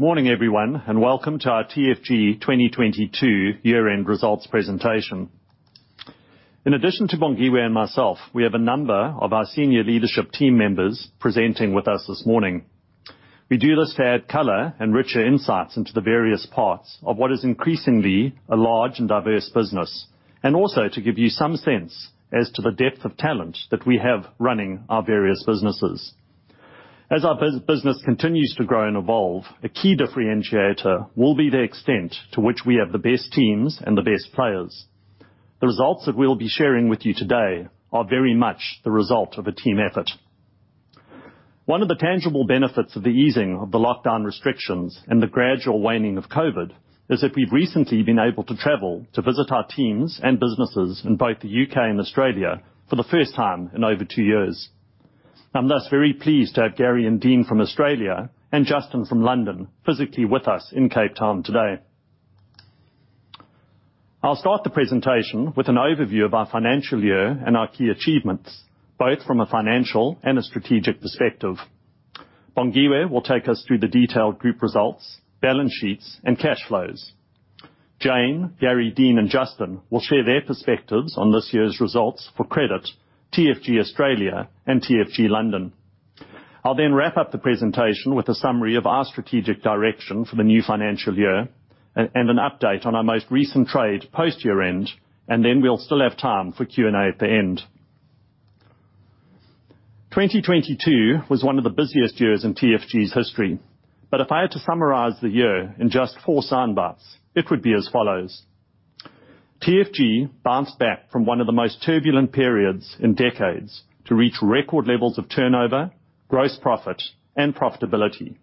Good morning, everyone, and welcome to our TFG 2022 year-end results presentation. In addition to Bongiwe and myself, we have a number of our senior leadership team members presenting with us this morning. We do this to add color and richer insights into the various parts of what is increasingly a large and diverse business, and also to give you some sense as to the depth of talent that we have running our various businesses. As our business continues to grow and evolve, a key differentiator will be the extent to which we have the best teams and the best players. The results that we'll be sharing with you today are very much the result of a team effort. One of the tangible benefits of the easing of the lockdown restrictions and the gradual waning of COVID is that we've recently been able to travel to visit our teams and businesses in both the U.K. and Australia for the first time in over two years. I'm thus very pleased to have Gary and Dean from Australia and Justin from London physically with us in Cape Town today. I'll start the presentation with an overview of our financial year and our key achievements, both from a financial and a strategic perspective. Bongiwe will take us through the detailed group results, balance sheets, and cash flows. Jane, Gary, Dean, and Justin will share their perspectives on this year's results for Credit, TFG Australia, and TFG London. I'll then wrap up the presentation with a summary of our strategic direction for the new financial year, and an update on our most recent trading post year-end, and then we'll still have time for Q&A at the end. 2022 was one of the busiest years in TFG's history. If I had to summarize the year in just four soundbites, it would be as follows: TFG bounced back from one of the most turbulent periods in decades to reach record levels of turnover, gross profit, and profitability,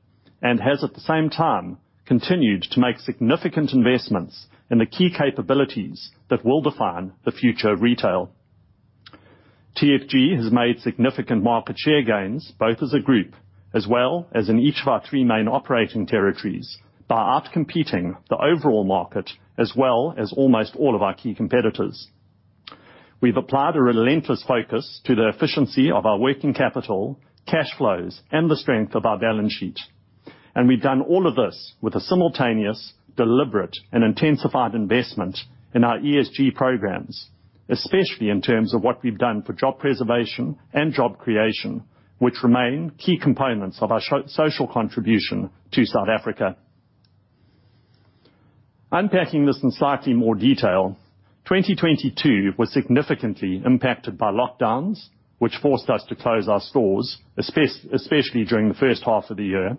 and has at the same time continued to make significant investments in the key capabilities that will define the future of retail. TFG has made significant market share gains both as a group as well as in each of our three main operating territories by outcompeting the overall market, as well as almost all of our key competitors. We've applied a relentless focus to the efficiency of our working capital, cash flows, and the strength of our balance sheet, and we've done all of this with a simultaneous, deliberate, and intensified investment in our ESG programs, especially in terms of what we've done for job preservation and job creation, which remain key components of our social contribution to South Africa. Unpacking this in slightly more detail, 2022 was significantly impacted by lockdowns, which forced us to close our stores, especially during the first half of the year.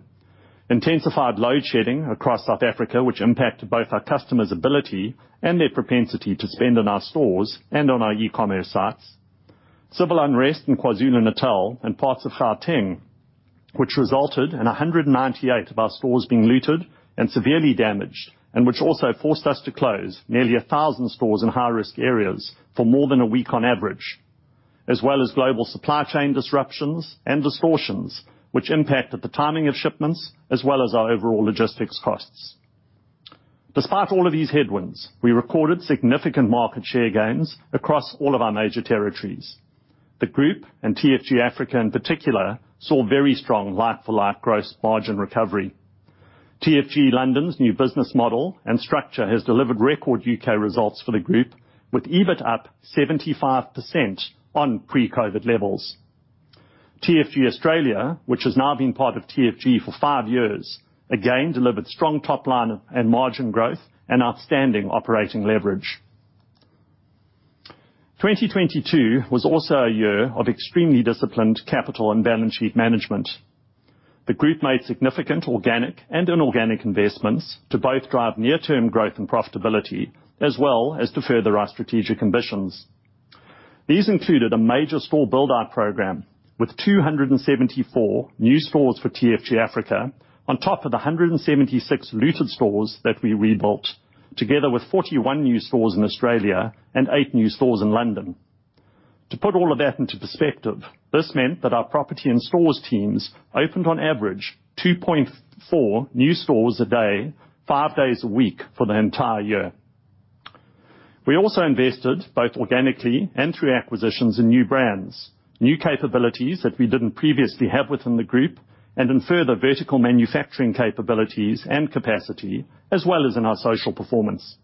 Intensified load shedding across South Africa impacted both our customers' ability and their propensity to spend in our stores and on our e-commerce sites. Civil unrest in KwaZulu-Natal and parts of Gauteng, which resulted in 198 of our stores being looted and severely damaged, and which also forced us to close nearly 1,000 stores in high-risk areas for more than a week on average, as well as global supply chain disruptions and distortions which impacted the timing of shipments as well as our overall logistics costs. Despite all of these headwinds, we recorded significant market share gains across all of our major territories. The group and TFG Africa in particular, saw very strong like-for-like gross margin recovery. TFG London's new business model and structure has delivered record U.K. results for the group, with EBIT up 75% on pre-COVID levels. TFG Australia, which has now been part of TFG for five years, again delivered strong top line and margin growth and outstanding operating leverage. 2022 was also a year of extremely disciplined capital and balance sheet management. The group made significant organic and inorganic investments to both drive near-term growth and profitability as well as to further our strategic ambitions. These included a major store build-out program with 274 new stores for TFG Africa on top of the 176 looted stores that we rebuilt, together with 41 new stores in Australia and eight new stores in London. To put all of that into perspective, this meant that our property and stores teams opened on average 2.4 new stores a day, five days a week for the entire year. We also invested, both organically and through acquisitions, in new brands, new capabilities that we didn't previously have within the group, and in further vertical manufacturing capabilities and capacity, as well as in our social performance.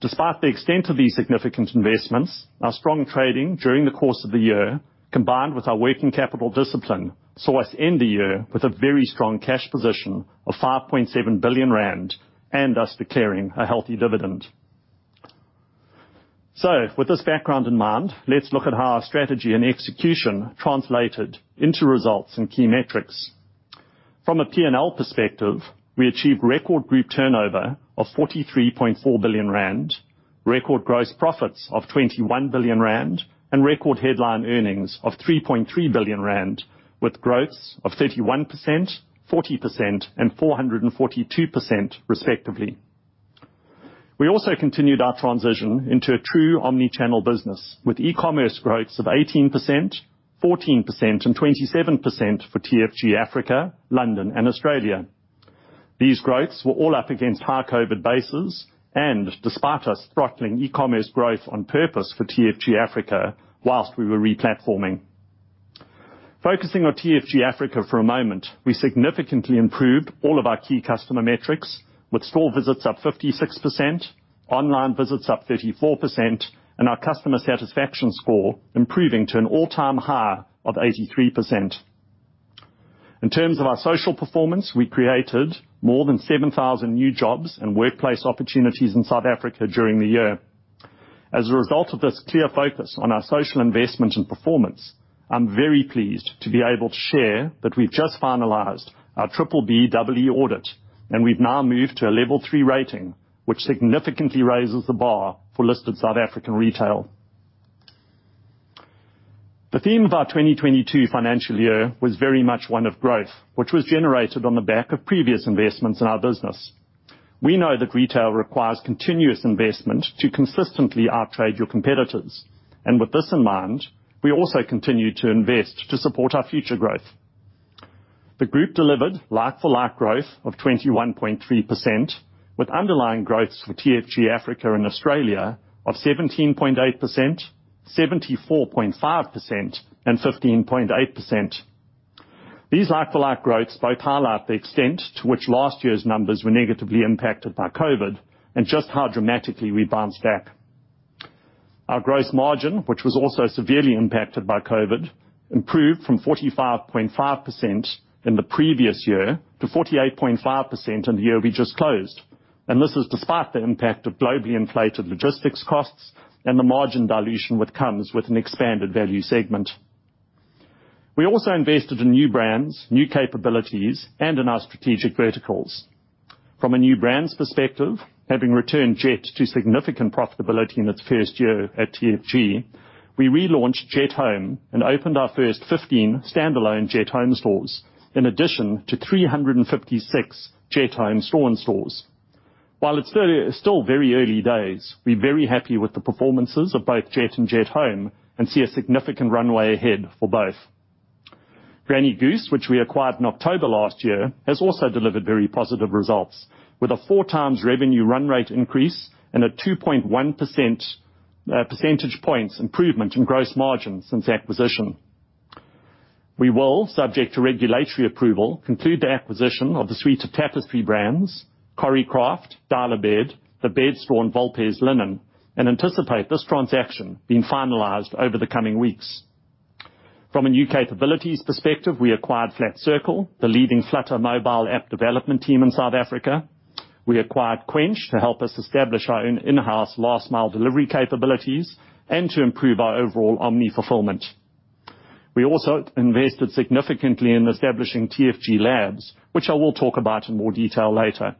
Despite the extent of these significant investments, our strong trading during the course of the year, combined with our working capital discipline, saw us end the year with a very strong cash position of 5.7 billion rand and thus declaring a healthy dividend. With this background in mind, let's look at how our strategy and execution translated into results and key metrics. From a P&L perspective, we achieved record group turnover of 43.4 billion rand, record gross profits of 21 billion rand, and record headline earnings of 3.3 billion rand, with growths of 31%, 40%, and 442% respectively. We also continued our transition into a true omni-channel business with e-commerce growths of 18%, 14%, and 27% for TFG Africa, London, and Australia. These growths were all up against high COVID bases and despite us throttling e-commerce growth on purpose for TFG Africa while we were replatforming. Focusing on TFG Africa for a moment, we significantly improved all of our key customer metrics with store visits up 56%, online visits up 34%, and our customer satisfaction score improving to an all-time high of 83%. In terms of our social performance, we created more than 7,000 new jobs and workplace opportunities in South Africa during the year. As a result of this clear focus on our social investment and performance, I'm very pleased to be able to share that we've just finalized our B-BBEE audit, and we've now moved to a level three rating, which significantly raises the bar for listed South African retail. The theme of our 2022 financial year was very much one of growth, which was generated on the back of previous investments in our business. We know that retail requires continuous investment to consistently outtrade your competitors, and with this in mind, we also continue to invest to support our future growth. The group delivered like-for-like growth of 21.3%, with underlying growth for TFG Africa and Australia of 17.8%, 74.5%, and 15.8%. These like-for-like growths both highlight the extent to which last year's numbers were negatively impacted by COVID and just how dramatically we bounced back. Our gross margin, which was also severely impacted by COVID, improved from 45.5% in the previous year to 48.5% in the year we just closed. This is despite the impact of globally inflated logistics costs and the margin dilution which comes with an expanded value segment. We also invested in new brands, new capabilities, and in our strategic verticals. From a new brands perspective, having returned Jet to significant profitability in its first year at TFG, we relaunched Jet Home and opened our first 15 standalone Jet Home stores, in addition to 356 Jet Home store installs. While it's still very early days, we're very happy with the performances of both Jet and Jet Home and see a significant runway ahead for both. Granny Goose, which we acquired in October last year, has also delivered very positive results with a 4x revenue run rate increase and a 2.1 percentage points improvement in gross margin since the acquisition. We will, subject to regulatory approval, conclude the acquisition of the suite of Tapestry brands, Coricraft, Dial-a-Bed, The Bed Store, and Volpes, and anticipate this transaction being finalized over the coming weeks. From a new capabilities perspective, we acquired Flat Circle, the leading Flutter mobile app development team in South Africa. We acquired Quench to help us establish our own in-house last-mile delivery capabilities and to improve our overall omni-fulfillment. We also invested significantly in establishing TFG Labs, which I will talk about in more detail later.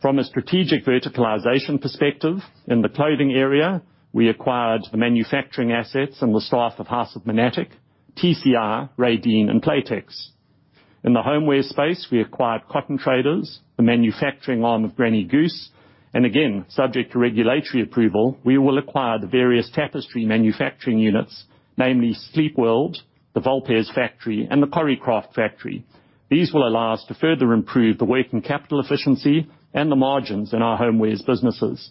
From a strategic verticalization perspective, in the clothing area, we acquired the manufacturing assets and the staff of House of Monatic, TCI, Radeen, and Playtex. In the homeware space, we acquired Cotton Traders, the manufacturing arm of Granny Goose, and again, subject to regulatory approval, we will acquire the various Tapestry manufacturing units, namely Sleep World, the Volpes factory, and the Coricraft factory. These will allow us to further improve the working capital efficiency and the margins in our homewares businesses.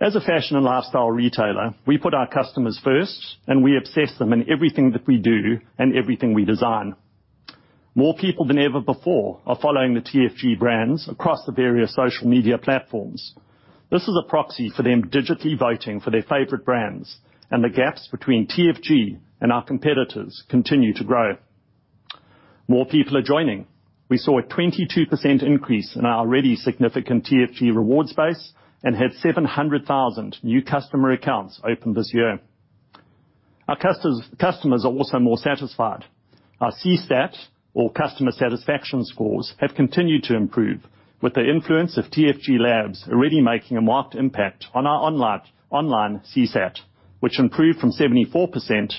As a fashion and lifestyle retailer, we put our customers first, and we obsess them in everything that we do and everything we design. More people than ever before are following the TFG brands across the various social media platforms. This is a proxy for them digitally voting for their favorite brands, and the gaps between TFG and our competitors continue to grow. More people are joining. We saw a 22% increase in our already significant TFG Rewards base and had 700,000 new customer accounts open this year. Our customers are also more satisfied. Our CSAT, or customer satisfaction scores, have continued to improve, with the influence of TFG Labs already making a marked impact on our online CSAT, which improved from 74%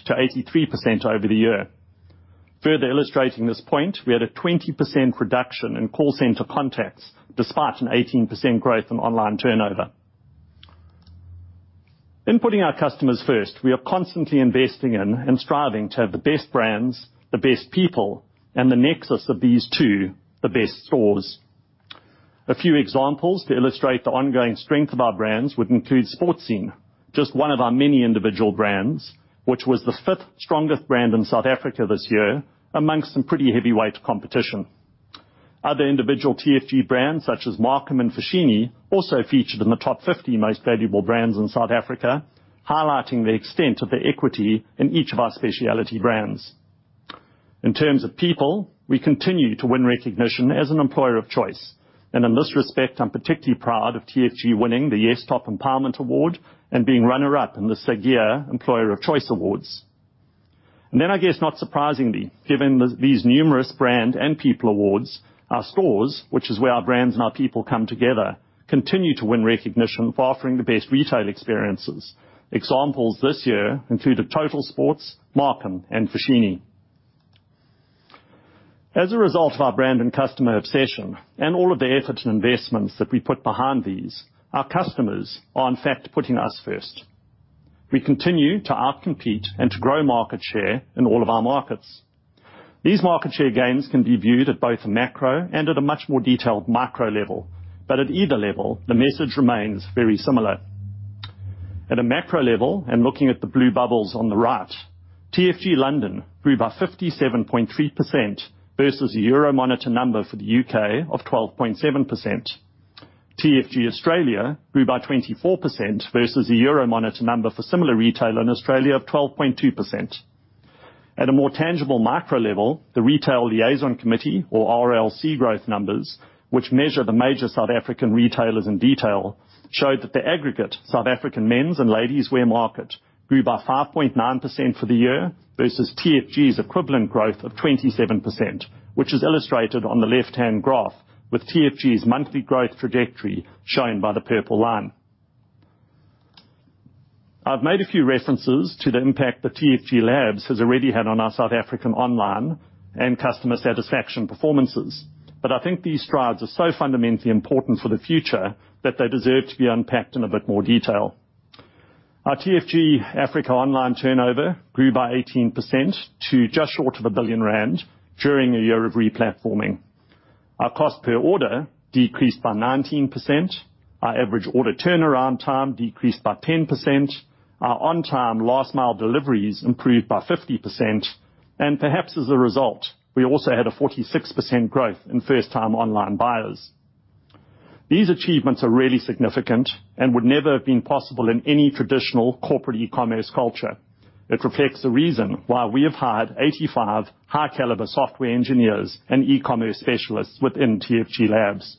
to 83% over the year. Further illustrating this point, we had a 20% reduction in call center contacts despite an 18% growth in online turnover. In putting our customers first, we are constantly investing in and striving to have the best brands, the best people, and the nexus of these two, the best stores. A few examples to illustrate the ongoing strength of our brands would include Sportscene, just one of our many individual brands, which was the fifth strongest brand in South Africa this year, amongst some pretty heavyweight competition. Other individual TFG brands, such as Markham and Foschini, also featured in the top 50 most valuable brands in South Africa, highlighting the extent of the equity in each of our specialty brands. In terms of people, we continue to win recognition as an employer of choice. In this respect, I'm particularly proud of TFG winning the YES Top Empowerment Award and being runner-up in the SAGEA Employer of Choice Awards. I guess, not surprisingly, given these numerous brand and people awards, our stores, which is where our brands and our people come together, continue to win recognition for offering the best retail experiences. Examples this year included Totalsports, Markham, and Foschini. As a result of our brand and customer obsession and all of the efforts and investments that we put behind these, our customers are in fact putting us first. We continue to outcompete and to grow market share in all of our markets. These market share gains can be viewed at both macro and at a much more detailed micro level. At either level, the message remains very similar. At a macro level, and looking at the blue bubbles on the right, TFG London grew by 57.3% versus Euromonitor's number for the U.K. of 12.7%. TFG Australia grew by 24% versus the Euromonitor number for similar retail in Australia of 12.2%. At a more tangible micro level, the Retailers' Liaison Committee or RLC growth numbers, which measure the major South African retailers in detail, showed that the aggregate South African men's and ladies' wear market grew by 5.9% for the year versus TFG's equivalent growth of 27%, which is illustrated on the left-hand graph with TFG's monthly growth trajectory shown by the purple line. I've made a few references to the impact that TFG Labs has already had on our South African online and customer satisfaction performances, but I think these strides are so fundamentally important for the future that they deserve to be unpacked in a bit more detail. Our TFG Africa online turnover grew by 18% to just short of 1 billion rand during a year of replatforming. Our cost per order decreased by 19%. Our average order turnaround time decreased by 10%. Our on-time last-mile deliveries improved by 50%, and perhaps as a result, we also had a 46% growth in first-time online buyers. These achievements are really significant and would never have been possible in any traditional corporate e-commerce culture. It reflects the reason why we have hired 85 high-caliber software engineers and e-commerce specialists within TFG Labs.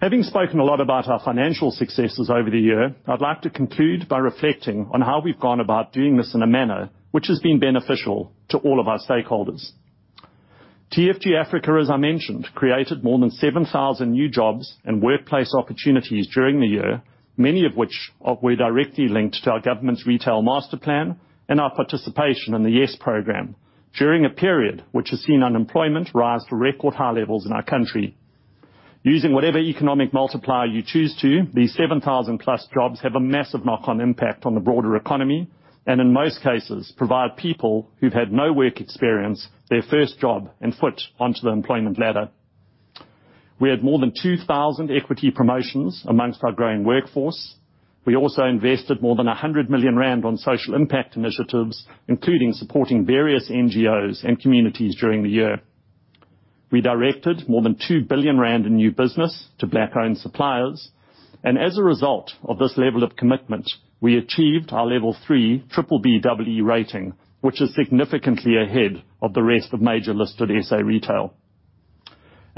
Having spoken a lot about our financial successes over the year, I'd like to conclude by reflecting on how we've gone about doing this in a manner which has been beneficial to all of our stakeholders. TFG Africa, as I mentioned, created more than 7,000 new jobs and workplace opportunities during the year, many of which are directly linked to our government's Retail Master Plan and our participation in the YES program during a period which has seen unemployment rise to record high levels in our country. Using whatever economic multiplier you choose to, these 7,000+ jobs have a massive knock-on impact on the broader economy, and in most cases, provide people who've had no work experience their first job and foot onto the employment ladder. We had more than 2,000 equity promotions among our growing workforce. We also invested more than 100 million rand on social impact initiatives, including supporting various NGOs and communities during the year. We directed more than 2 billion rand in new business to black-owned suppliers. As a result of this level of commitment, we achieved our level three B-BBEE rating, which is significantly ahead of the rest of major listed SA Retail.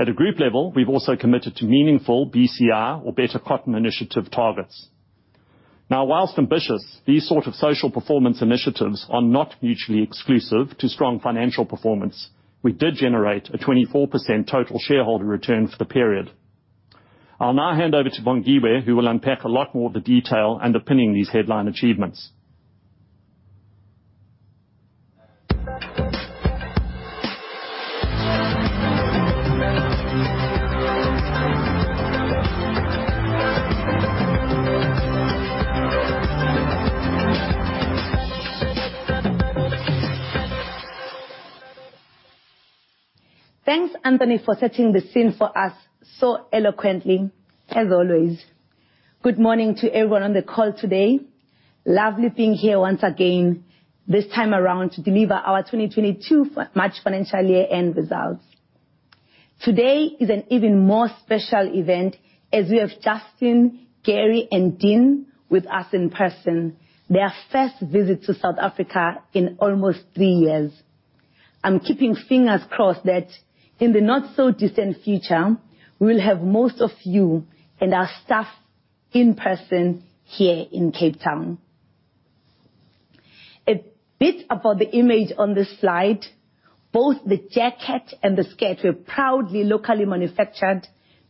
At a group level, we've also committed to meaningful BCI or Better Cotton Initiative targets. Now, while ambitious, these sort of social performance initiatives are not mutually exclusive to strong financial performance. We did generate a 24% total shareholder return for the period. I'll now hand over to Bongiwe, who will unpack a lot more of the detail underpinning these headline achievements. Thanks, Anthony, for setting the scene for us so eloquently as always. Good morning to everyone on the call today. Lovely being here once again, this time around to deliver our 2022 financial year end results. Today is an even more special event as we have Justin, Gary, and Dean with us in person. Their first visit to South Africa in almost three years. I'm keeping fingers crossed that in the not-so-distant future, we'll have most of you and our staff in person here in Cape Town. A bit about the image on this slide. Both the jacket and the skirt were proudly locally manufactured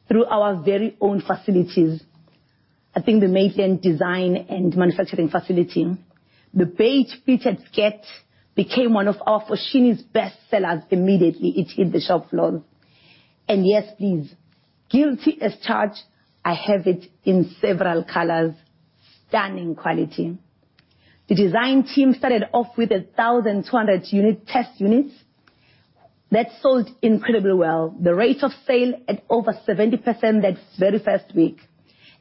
through our very own facilities. I think the Milnerton design and manufacturing facility. The beige pleated skirt became one of our Foschini's best sellers immediately it hit the shop floor. Yes, please, guilty as charged, I have it in several colors. Stunning quality. The design team started off with a 1,200-unit test units that sold incredibly well. The rate of sale at over 70% that very first week.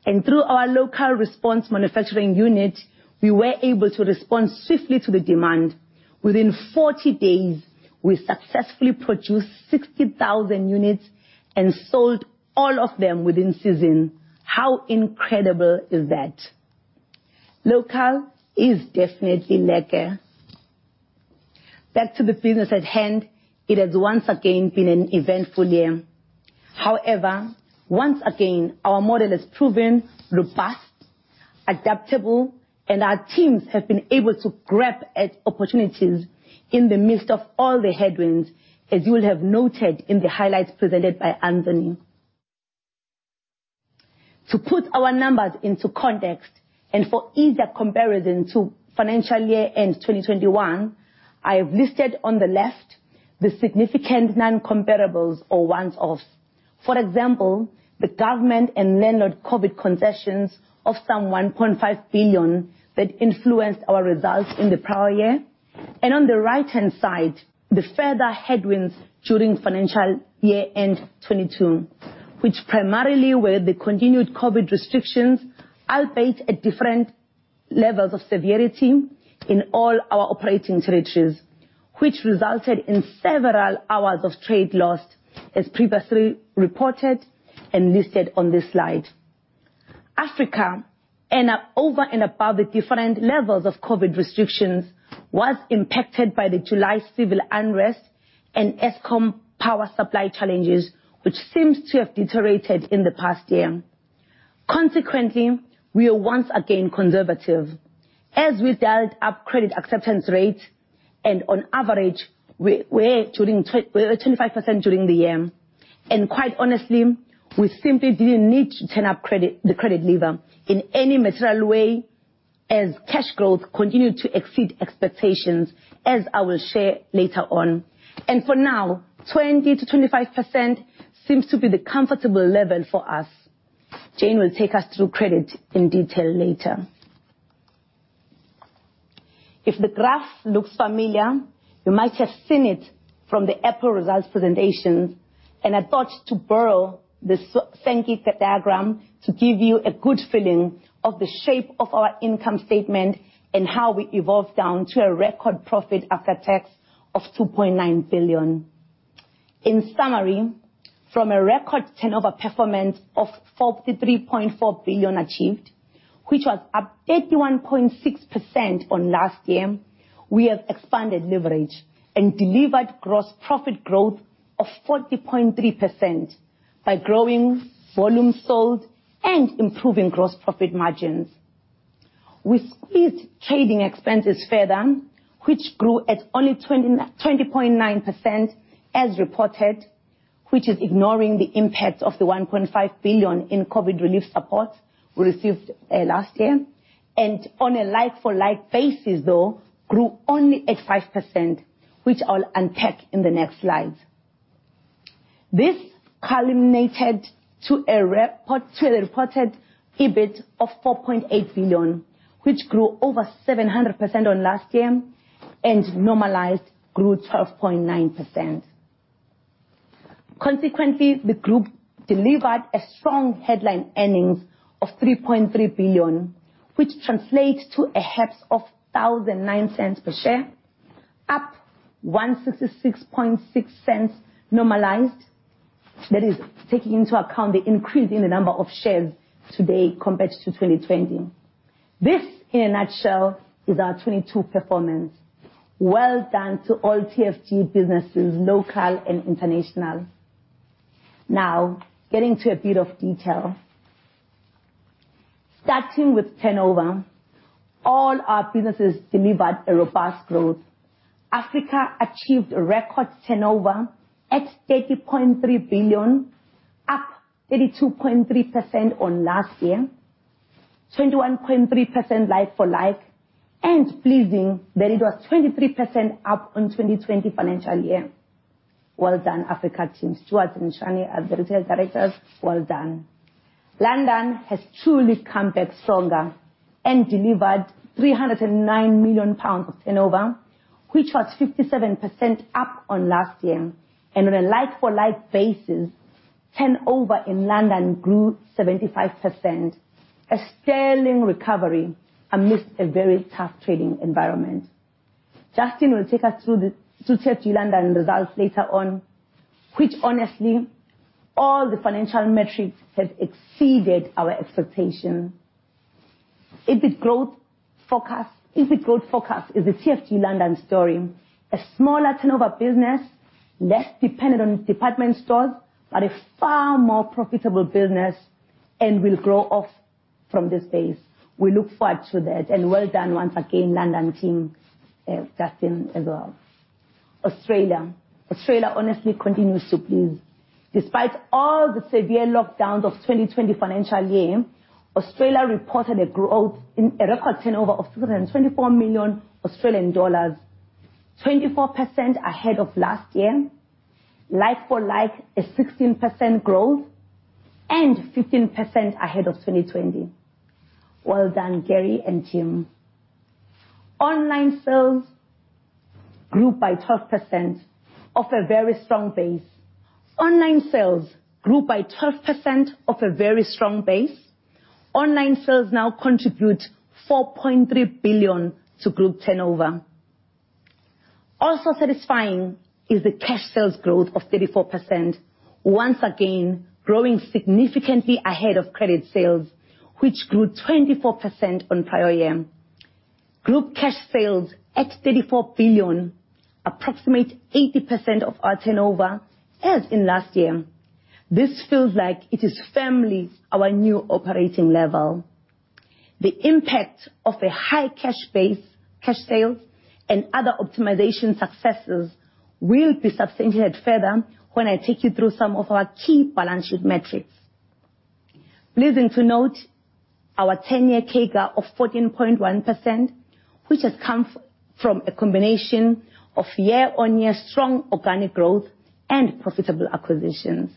Through our local response manufacturing unit, we were able to respond swiftly to the demand. Within 40 days, we successfully produced 60,000 units and sold all of them within season. How incredible is that? Local is definitely lekker. Back to the business at hand, it has once again been an eventful year. However, once again, our model has proven robust, adaptable, and our teams have been able to grab at opportunities in the midst of all the headwinds, as you will have noted in the highlights presented by Anthony. To put our numbers into context and for easier comparison to financial year end 2021, I have listed on the left the significant non-comparables or one-offs. For example, the government and landlord COVID concessions of some 1.5 billion that influenced our results in the prior year. On the right-hand side, the further headwinds during financial year end 2022, which primarily were the continued COVID restrictions, albeit at different levels of severity in all our operating territories, which resulted in several hours of trade lost, as previously reported and listed on this slide. Africa, and over and above the different levels of COVID restrictions, was impacted by the July civil unrest and Eskom power supply challenges, which seems to have deteriorated in the past year. Consequently, we are once again conservative as we dialed up credit acceptance rate and on average we're tuning 25% during the year. Quite honestly, we simply didn't need to turn up credit, the credit lever in any material way as cash growth continued to exceed expectations, as I will share later on. For now, 20%-25% seems to be the comfortable level for us. Jane will take us through credit in detail later. If the graph looks familiar, you might have seen it from the Apple results presentation, and I thought to borrow the same diagram to give you a good feeling of the shape of our income statement and how we evolved down to a record profit after tax of 2.9 billion. In summary, from a record turnover performance of 43.4 billion achieved, which was up 81.6% on last year, we have expanded leverage and delivered gross profit growth of 40.3% by growing volume sold and improving gross profit margins. We squeezed trading expenses further, which grew at only 20.9% as reported, which is ignoring the impact of the 1.5 billion in COVID relief support we received last year. On a like for like basis, though, grew only at 5%, which I'll unpack in the next slide. This culminated to a reported EBIT of 4.8 billion, which grew over 700% on last year and normalized grew 12.9%. Consequently, the group delivered a strong headline earnings of 3.3 billion, which translates to a HEPS of 100,9 per share, up 1.666 normalized. That is taking into account the increase in the number of shares today compared to 2020. This, in a nutshell, is our 2022 performance. Well done to all TFG businesses, local and international. Now getting to a bit of detail. Starting with turnover. All our businesses delivered a robust growth. Africa achieved a record turnover at 30.3 billion, up 32.3% on last year, 21.3% like for like, and pleasing that it was 23% up on 2020 financial year. Well done, Africa teams, Stuart and Shani as retail directors. Well done. London has truly come back stronger and delivered 309 million pounds of turnover, which was 57% up on last year. On a like -or-like basis, turnover in London grew 75%. A sterling recovery amidst a very tough trading environment. Justin will take us through TFG London results later on, which honestly, all the financial metrics have exceeded our expectation. EBIT growth forecast is the TFG London story. A smaller turnover business, less dependent on department stores, but a far more profitable business, and will grow off from this base. We look forward to that, and well done once again, London team, Justin as well. Australia honestly continues to please. Despite all the severe lockdowns of 2020 financial year, Australia reported a growth in a record turnover of 224 million Australian dollars, 24% ahead of last year. Like-for-like, a 16% growth and 15% ahead of 2020. Well done, Gary and team. Online sales grew by 12% off a very strong base. Online sales now contribute 4.3 billion to group turnover. Also satisfying is the cash sales growth of 34%, once again growing significantly ahead of credit sales, which grew 24% on prior year. Group cash sales at 34 billion, approximate 80% of our turnover as in last year. This feels like it is firmly our new operating level. The impact of a high cash base, cash sales, and other optimization successes will be substantiated further when I take you through some of our key balance sheet metrics. Pleasing to note, our 10-year CAGR of 14.1%, which has come from a combination of year-on-year strong organic growth and profitable acquisitions.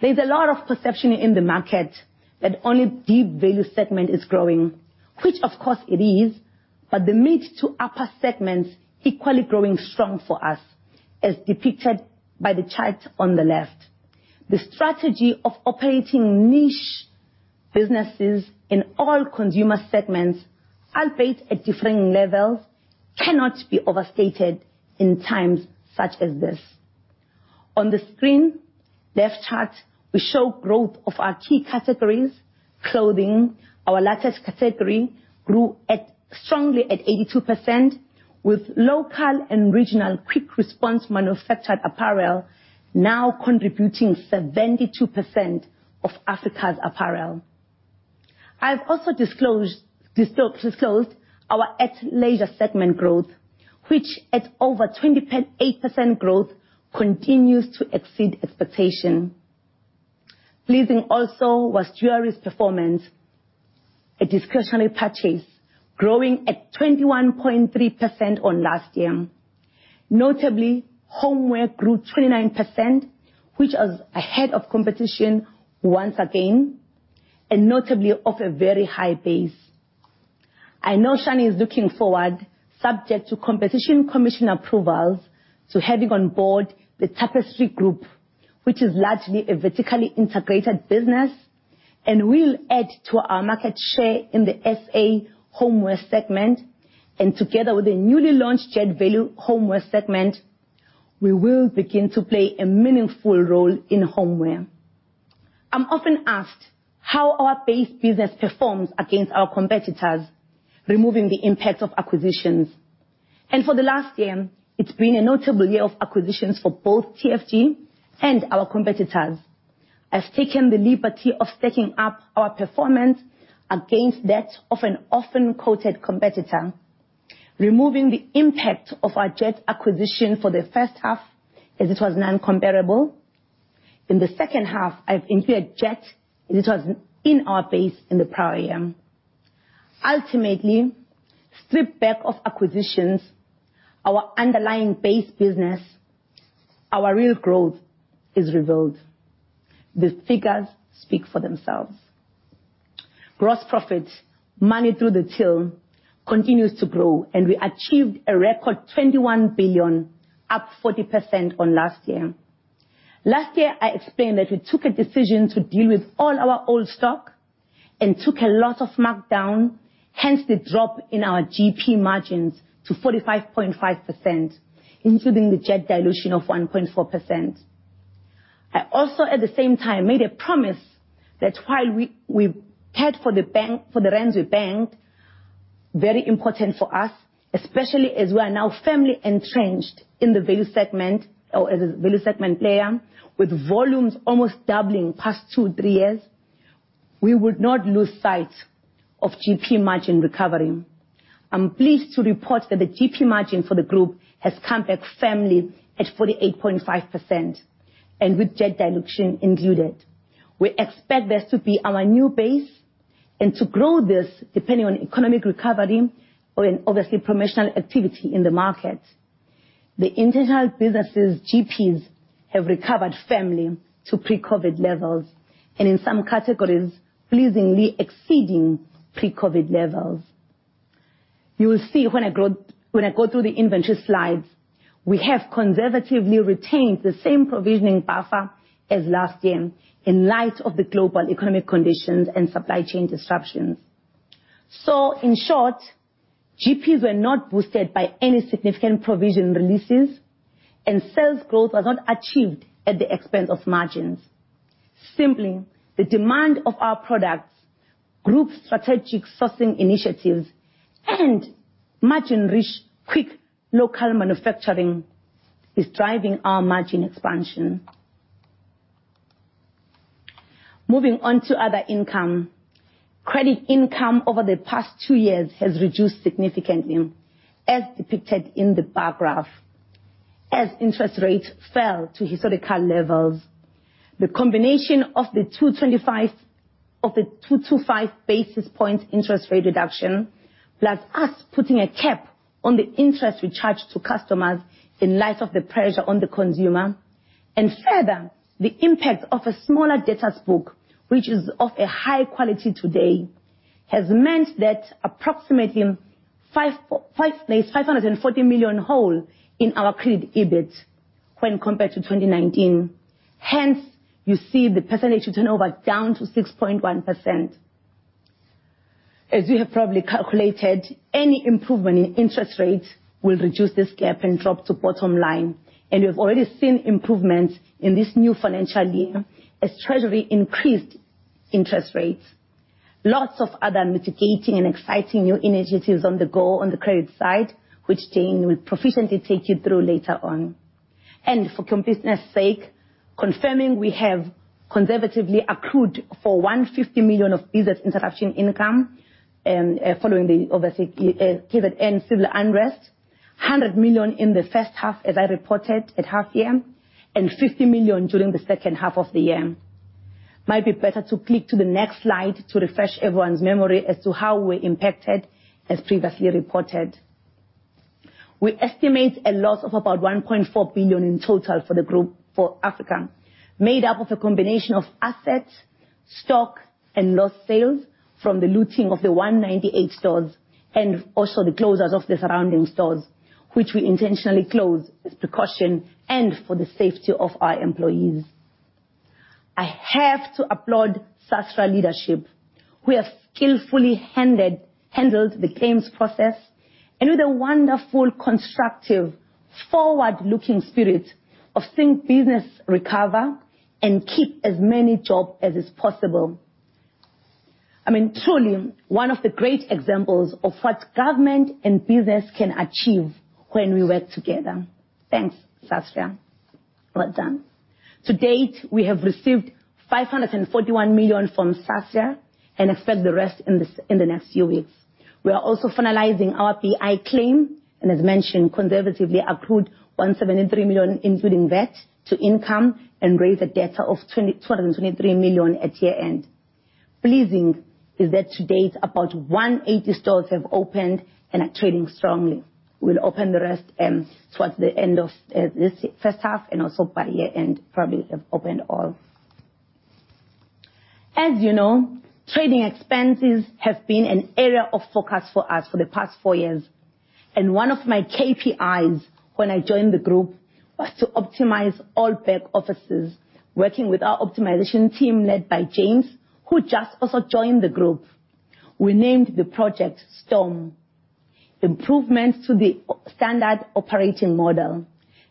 There's a lot of perception in the market that only deep value segment is growing, which of course it is, but the mid to upper segments equally growing strong for us, as depicted by the chart on the left. The strategy of operating niche businesses in all consumer segments, albeit at differing levels, cannot be overstated in times such as this. On the screen, left chart, we show growth of our key categories. Clothing, our largest category, grew strongly at 82% with local and regional quick response manufactured apparel now contributing 72% of Africa's apparel. I have also disclosed ourathleisure segment growth, which at over 8% growth continues to exceed expectation. Pleasing also was jewelry's performance, a discretionary purchase, growing at 21.3% on last year. Notably, homeware grew 29%, which was ahead of competition once again, and notably off a very high base. I know Shane is looking forward, subject to Competition Commission approvals, to having on board the Tapestry Home Brands, which is largely a vertically integrated business and will add to our market share in the SA homeware segment. Together with the newly launched Jet value homeware segment, we will begin to play a meaningful role in homeware. I'm often asked how our base business performs against our competitors, removing the impact of acquisitions. For the last year, it's been a notable year of acquisitions for both TFG and our competitors. I've taken the liberty of stacking up our performance against that of an often-quoted competitor, removing the impact of our Jet acquisition for the first half as it was non-comparable. In the second half, I've included Jet as it was in our base in the prior year. Ultimately, stripped back of acquisitions, our underlying base business, our real growth is revealed. The figures speak for themselves. Gross profit, money through the till continues to grow, and we achieved a record 21 billion, up 40% on last year. Last year, I explained that we took a decision to deal with all our old stock and took a lot of markdown, hence the drop in our GP margins to 45.5%, including the Jet dilution of 1.4%. I also, at the same time, made a promise that while we've cared for the rands we banked, very important for us, especially as we are now firmly entrenched in the value segment or as a value segment player, with volumes almost doubling past two, three years, we would not lose sight of GP margin recovery. I'm pleased to report that the GP margin for the group has come back firmly at 48.5%, and with Jet dilution included. We expect this to be our new base and to grow this depending on economic recovery or in, obviously, promotional activity in the market. The internal businesses' GPs have recovered firmly to pre-COVID levels, and in some categories, pleasingly exceeding pre-COVID levels. You will see when I go through the inventory slides, we have conservatively retained the same provisioning buffer as last year in light of the global economic conditions and supply chain disruptions. In short, GPs were not boosted by any significant provision releases, and sales growth was not achieved at the expense of margins. Simply, the demand of our products, group strategic sourcing initiatives, and margin-rich, quick local manufacturing is driving our margin expansion. Moving on to other income. Credit income over the past two years has reduced significantly, as depicted in the bar graph, as interest rates fell to historical levels. The combination of the 225 basis point interest rate reduction, plus us putting a cap on the interest we charge to customers in light of the pressure on the consumer. Further, the impact of a smaller debtor's book, which is of a high quality today, has meant that approximately 540 million hole in our credit EBIT when compared to 2019. Hence, you see the percentage turnover down to 6.1%. As you have probably calculated, any improvement in interest rates will reduce this gap and drop to bottom line. We've already seen improvements in this new financial year as Treasury increased interest rates. Lots of other mitigating and exciting new initiatives on the go on the credit side, which Jane will proficiently take you through later on. For completeness sake, confirming we have conservatively accrued for 150 million of business interruption income, following the obviously COVID and civil unrest. 100 million in the first half, as I reported at half-year, and 50 million during the second half of the year. Might be better to click to the next slide to refresh everyone's memory as to how we're impacted, as previously reported. We estimate a loss of about 1.4 billion in total for the group for Africa, made up of a combination of assets, stock, and lost sales from the looting of the 198 stores and also the closures of the surrounding stores, which we intentionally closed as precaution and for the safety of our employees. I have to applaud Sasria leadership, who have skillfully handled the claims process and with a wonderful, constructive, forward-looking spirit of seeing business recover and keep as many jobs as is possible. I mean, truly, one of the great examples of what government and business can achieve when we work together. Thanks, Sasria. Well done. To date, we have received 541 million from Sasria and expect the rest in the next few weeks. We are also finalizing our BI claim and as mentioned, conservatively accrued 173 million, including VAT, to income and raised a debtor of 2,223 million at year-end. Pleasing is that to date, about 180 stores have opened and are trading strongly. We'll open the rest towards the end of this first half and also by year-end, probably have opened all. As you know, trading expenses have been an area of focus for us for the past four years, and one of my KPIs when I joined the group was to optimize all back offices working with our optimization team, led by James, who just also joined the group. We named the project Storm. Improvements to the standard operating model.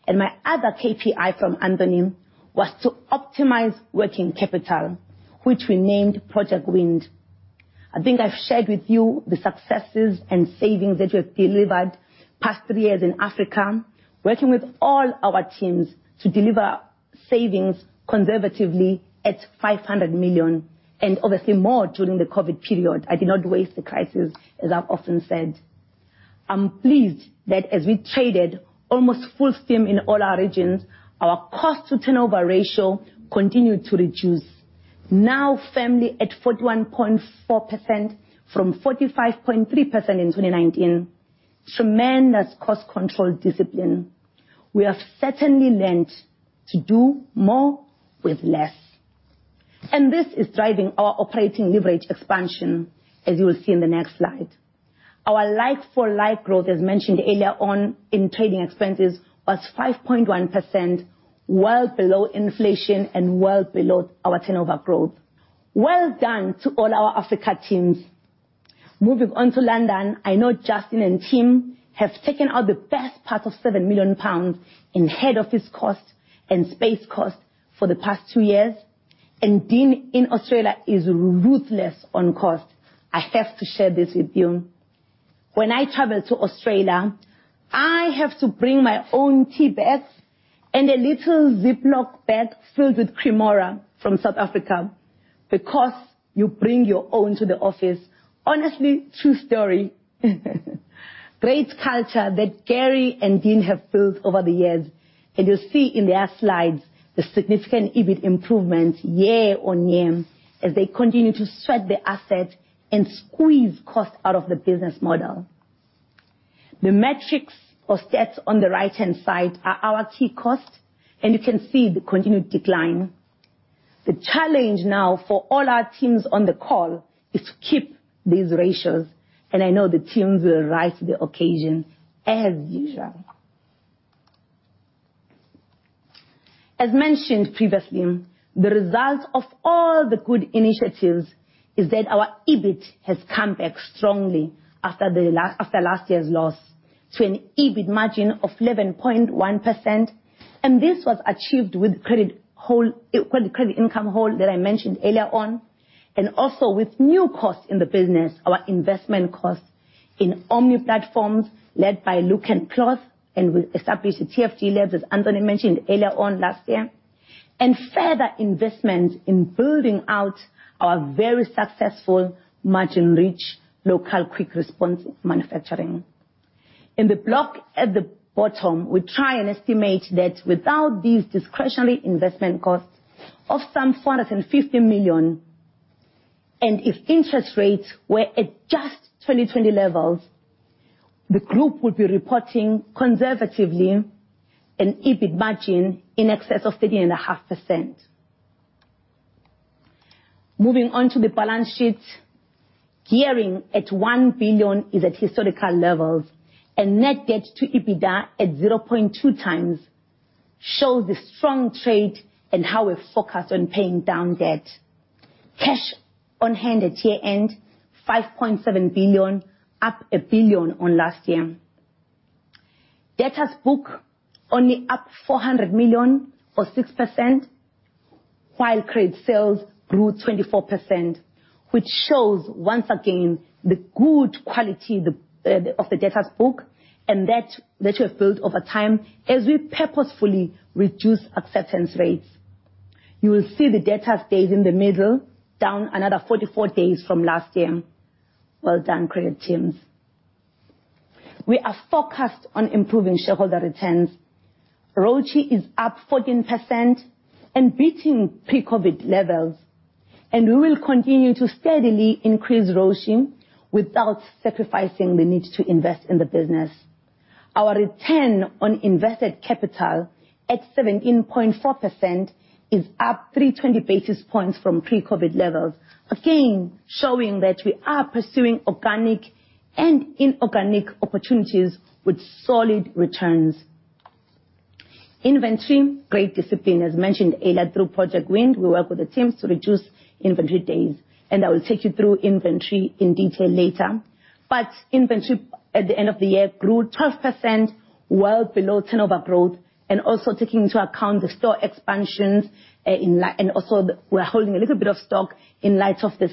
My other KPI from Anthony was to optimize working capital, which we named Project Wind. I think I've shared with you the successes and savings that we have delivered past three years in Africa, working with all our teams to deliver savings conservatively at 500 million and obviously more during the COVID period. I did not waste the crisis, as I've often said. I'm pleased that as we traded almost full steam in all our regions, our cost-to-turnover ratio continued to reduce. Now firmly at 41.4% from 45.3% in 2019. Tremendous cost control discipline. We have certainly learned to do more with less, and this is driving our operating leverage expansion, as you will see in the next slide. Our like-for-like growth, as mentioned earlier on in trading expenses, was 5.1%, well below inflation and well below our turnover growth. Well done to all our Africa teams. Moving on to London, I know Justin and team have taken out the best part of 7 million pounds in head office costs and space costs for the past two years, and Dean in Australia is ruthless on cost. I have to share this with you. When I travel to Australia, I have to bring my own tea bags and a little ziploc bag filled with Cremora from South Africa because you bring your own to the office. Honestly, true story. Great culture that Gary and Dean have built over the years, and you'll see in their slides the significant EBIT improvements year-on-year as they continue to sweat the asset and squeeze costs out of the business model. The metrics or stats on the right-hand side are our key costs, and you can see the continued decline. The challenge now for all our teams on the call is to keep these ratios, and I know the teams will rise to the occasion as usual. As mentioned previously, the result of all the good initiatives is that our EBIT has come back strongly after last year's loss to an EBIT margin of 11.1%, and this was achieved with credit hold, credit income hold that I mentioned earlier on, and also with new costs in the business, our investment costs in omni platforms led by Luke and Claude, and we established the TFG Labs, as Anthony mentioned earlier on last year, and further investment in building out our very successful margin-rich local quick response manufacturing. In the block at the bottom, we try and estimate that without these discretionary investment costs of some 450 million, and if interest rates were at just 2020 levels, the group would be reporting conservatively an EBIT margin in excess of 13.5%. Moving on to the balance sheet, gearing at 1 billion is at historical levels and net debt to EBITDA at 0.2x shows the strong trade and how we're focused on paying down debt. Cash on hand at year-end, 5.7 billion, up 1 billion on last year. Debtors book only up 400 million or 6%, while credit sales grew 24%, which shows once again the good quality of the debtors book and that which we have built over time as we purposefully reduce acceptance rates. You will see the data stays in the middle, down another 44 days from last year. Well done, great teams. We are focused on improving shareholder returns. ROCE is up 14% and beating pre-COVID levels, and we will continue to steadily increase ROCE without sacrificing the need to invest in the business. Our return on invested capital at 17.4% is up 320 basis points from pre-COVID levels, again, showing that we are pursuing organic and inorganic opportunities with solid returns. Inventory, great discipline. As mentioned earlier, through Project Wind, we work with the teams to reduce inventory days, and I will take you through inventory in detail later. Inventory at the end of the year grew 12%, well below turnover growth and also taking into account the store expansions, and we're holding a little bit of stock in light of the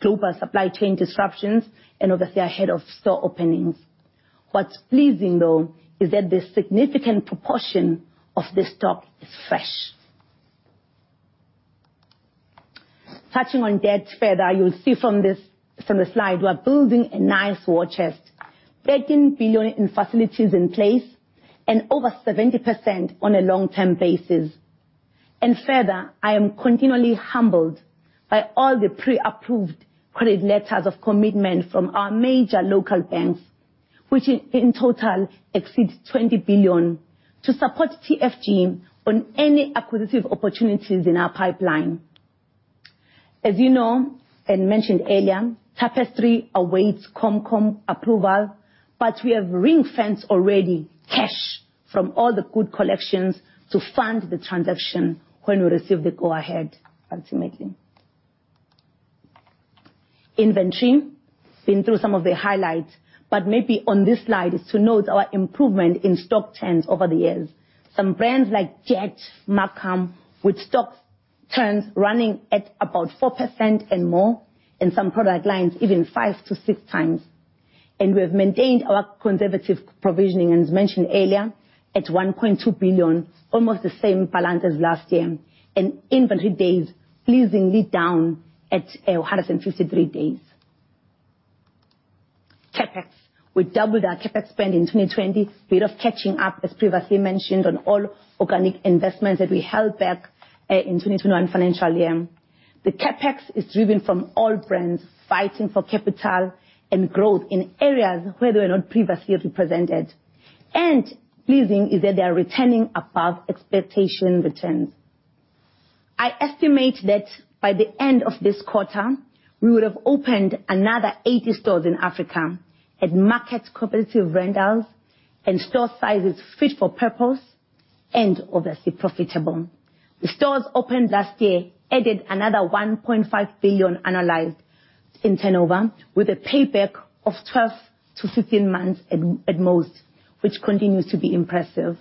global supply chain disruptions and obviously ahead of store openings. What's pleasing, though, is that the significant proportion of the stock is fresh. Touching on debt further, you'll see from this, from the slide, we're building a nice war chest, 13 billion in facilities in place and over 70% on a long-term basis. Further, I am continually humbled by all the pre-approved credit letters of commitment from our major local banks, which in total exceed 20 billion, to support TFG on any acquisitive opportunities in our pipeline. As you know, and mentioned earlier, Tapestry awaits CompCom approval, but we have ring-fenced already cash from all the good collections to fund the transaction when we receive the go-ahead, ultimately. Inventory. Been through some of the highlights, but maybe on this slide is to note our improvement in stock turnover the years. Some brands like Jet, Markham, with stock turns running at about 4% and more, and some product lines even 5x-6x. We have maintained our conservative provisioning, as mentioned earlier, at 1.2 billion, almost the same balance as last year, and inventory days pleasingly down at 153 days. CapEx. We doubled our CapEx spend in 2020. We're catching up, as previously mentioned, on all organic investments that we held back in 2022 financial year. The CapEx is driven from all brands fighting for capital and growth in areas where they were not previously represented, and pleasing is that they are returning above expectation returns. I estimate that by the end of this quarter, we would have opened another 80 stores in Africa at market competitive rentals and store sizes fit for purpose and obviously profitable. The stores opened last year added another 1.5 billion annualized in turnover with a payback of 12-16 months at most, which continues to be impressive.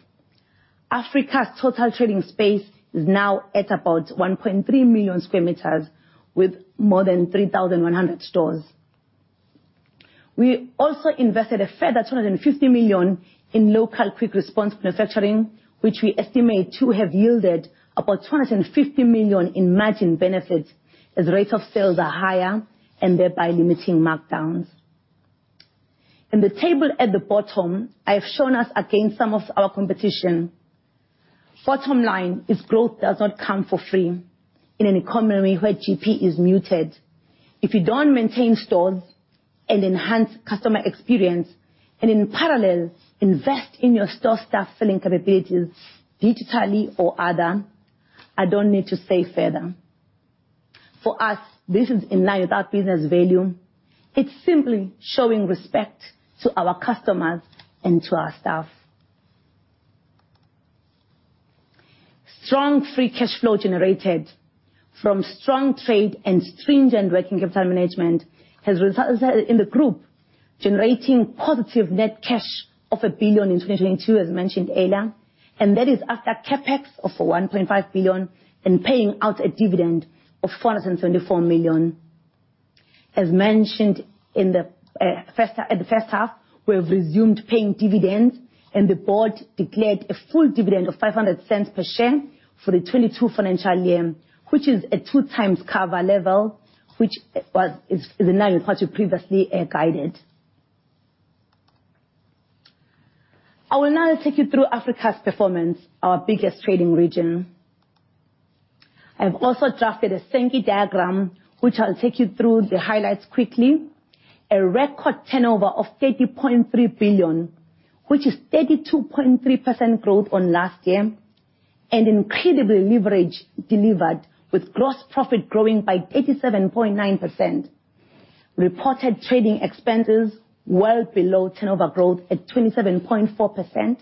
Africa's total trading space is now at about 1.3 million square meters with more than 3,100 stores. We also invested a further 250 million in local quick response manufacturing, which we estimate to have yielded about 250 million in margin benefits as rate of sales are higher and thereby limiting markdowns. In the table at the bottom, I have shown us against some of our competition. Bottom line is growth does not come for free in an economy where GP is muted. If you don't maintain stores and enhance customer experience, and in parallel invest in your store staff filling capabilities digitally or other, I don't need to say further. For us, this is in line with our business value. It's simply showing respect to our customers and to our staff. Strong free cash flow generated from strong trade and stringent working capital management has resulted in the group generating positive net cash of 1 billion in 2022, as mentioned earlier, and that is after CapEx of 1.5 billion and paying out a dividend of 474 million. As mentioned in the first half, we have resumed paying dividends, and the board declared a full dividend of 5.00 per share for the 2022 financial year, which is a 2x cover level, which is in line with what we previously guided. I will now take you through Africa's performance, our biggest trading region. I've also drafted a Sankey diagram, which I'll take you through the highlights quickly. A record turnover of 30.3 billion, which is 32.3% growth on last year, and incredible leverage delivered with gross profit growing by 87.9%. Reported trading expenses well below turnover growth at 27.4%.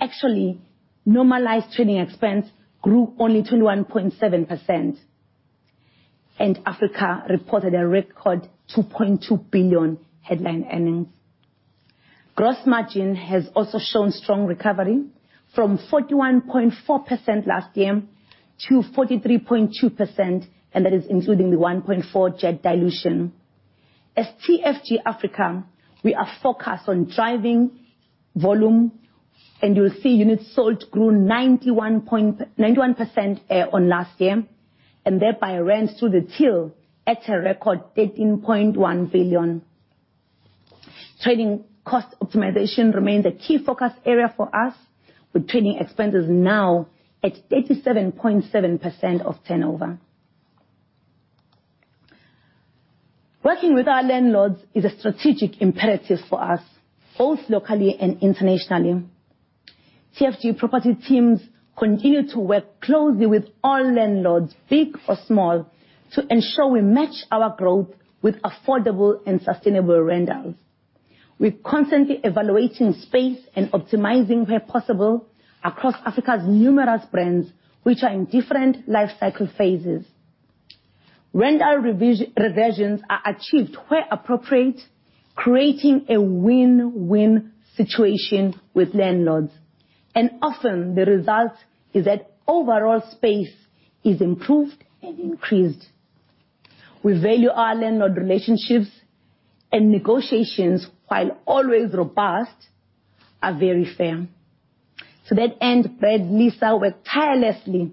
Actually, normalized trading expense grew only 21.7%. Africa reported a record 2.2 billion headline earnings. Gross margin has also shown strong recovery from 41.4% last year to 43.2%, and that is including the 1.4 Jet dilution. TFG Africa, we are focused on driving volume, and you'll see units sold grew 91% on last year, and thereby rents through the till at a record 13.1 billion. Trading cost optimization remains a key focus area for us, with trading expenses now at 37.7% of turnover. Working with our landlords is a strategic imperative for us, both locally and internationally. TFG property teams continue to work closely with all landlords, big or small, to ensure we match our growth with affordable and sustainable rentals. We're constantly evaluating space and optimizing where possible across Africa's numerous brands, which are in different lifecycle phases. Rental reversions are achieved where appropriate, creating a win-win situation with landlords. Often, the result is that overall space is improved and increased. We value our landlord relationships, and negotiations, while always robust, are very fair. To that end, Brad, Lisa worked tirelessly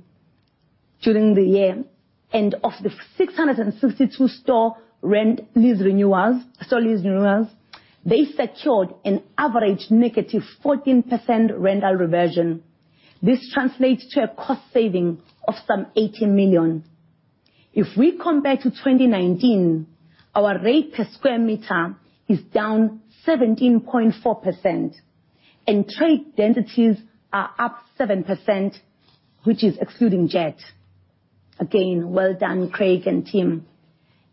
during the year, and of the 662 store lease renewals, they secured an average -14% rental reversion. This translates to a cost saving of some 80 million. If we compare to 2019, our rate per square meter is down 17.4%, and trade densities are up 7%, which is excluding Jet. Again, well done, Craig and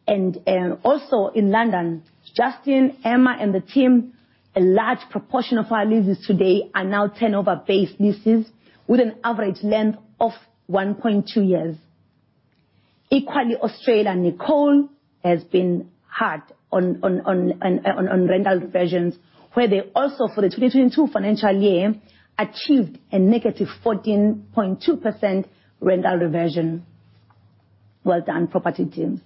team. Also in London, Justin, Emma, and the team, a large proportion of our leases today are now turnover-based leases with an average length of 1.2 years. Equally, Australia, Nicole has been hard on rental reversions, where they also, for the 2022 financial year, achieved a -14.2% rental reversion. Well done, property team.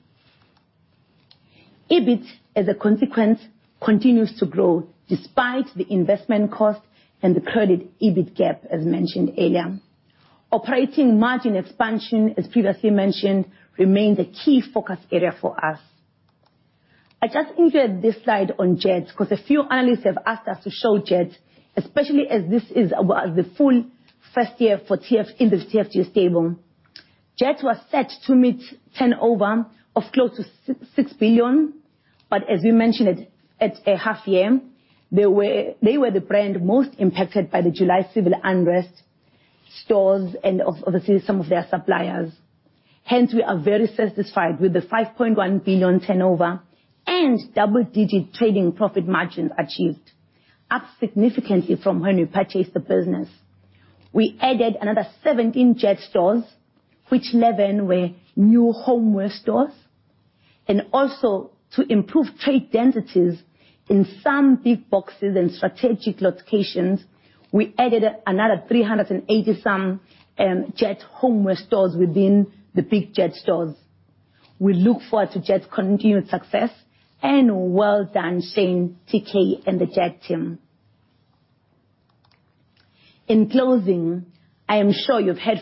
EBIT, as a consequence, continues to grow despite the investment cost and the credit EBIT gap, as mentioned earlier. Operating margin expansion, as previously mentioned, remains a key focus area for us. I just included this slide on Jet 'cause a few analysts have asked us to show Jet, especially as this is our the full first year for TFG in the TFG stable. Jet was set to meet turnover of close to 6 billion, but as we mentioned at half-year, they were the brand most impacted by the July civil unrest, stores, and obviously some of their suppliers. Hence, we are very satisfied with the 5.1 billion turnover and double-digit trading profit margins achieved, up significantly from when we purchased the business. We added another 17 Jet stores, which 11 were new homeware stores, and also to improve trade densities in some big boxes and strategic locations, we added another 380-some Jet homeware stores within the big Jet stores. We look forward to Jet's continued success, and well done, Shane, TK, and the Jet team. In closing, I am sure you've heard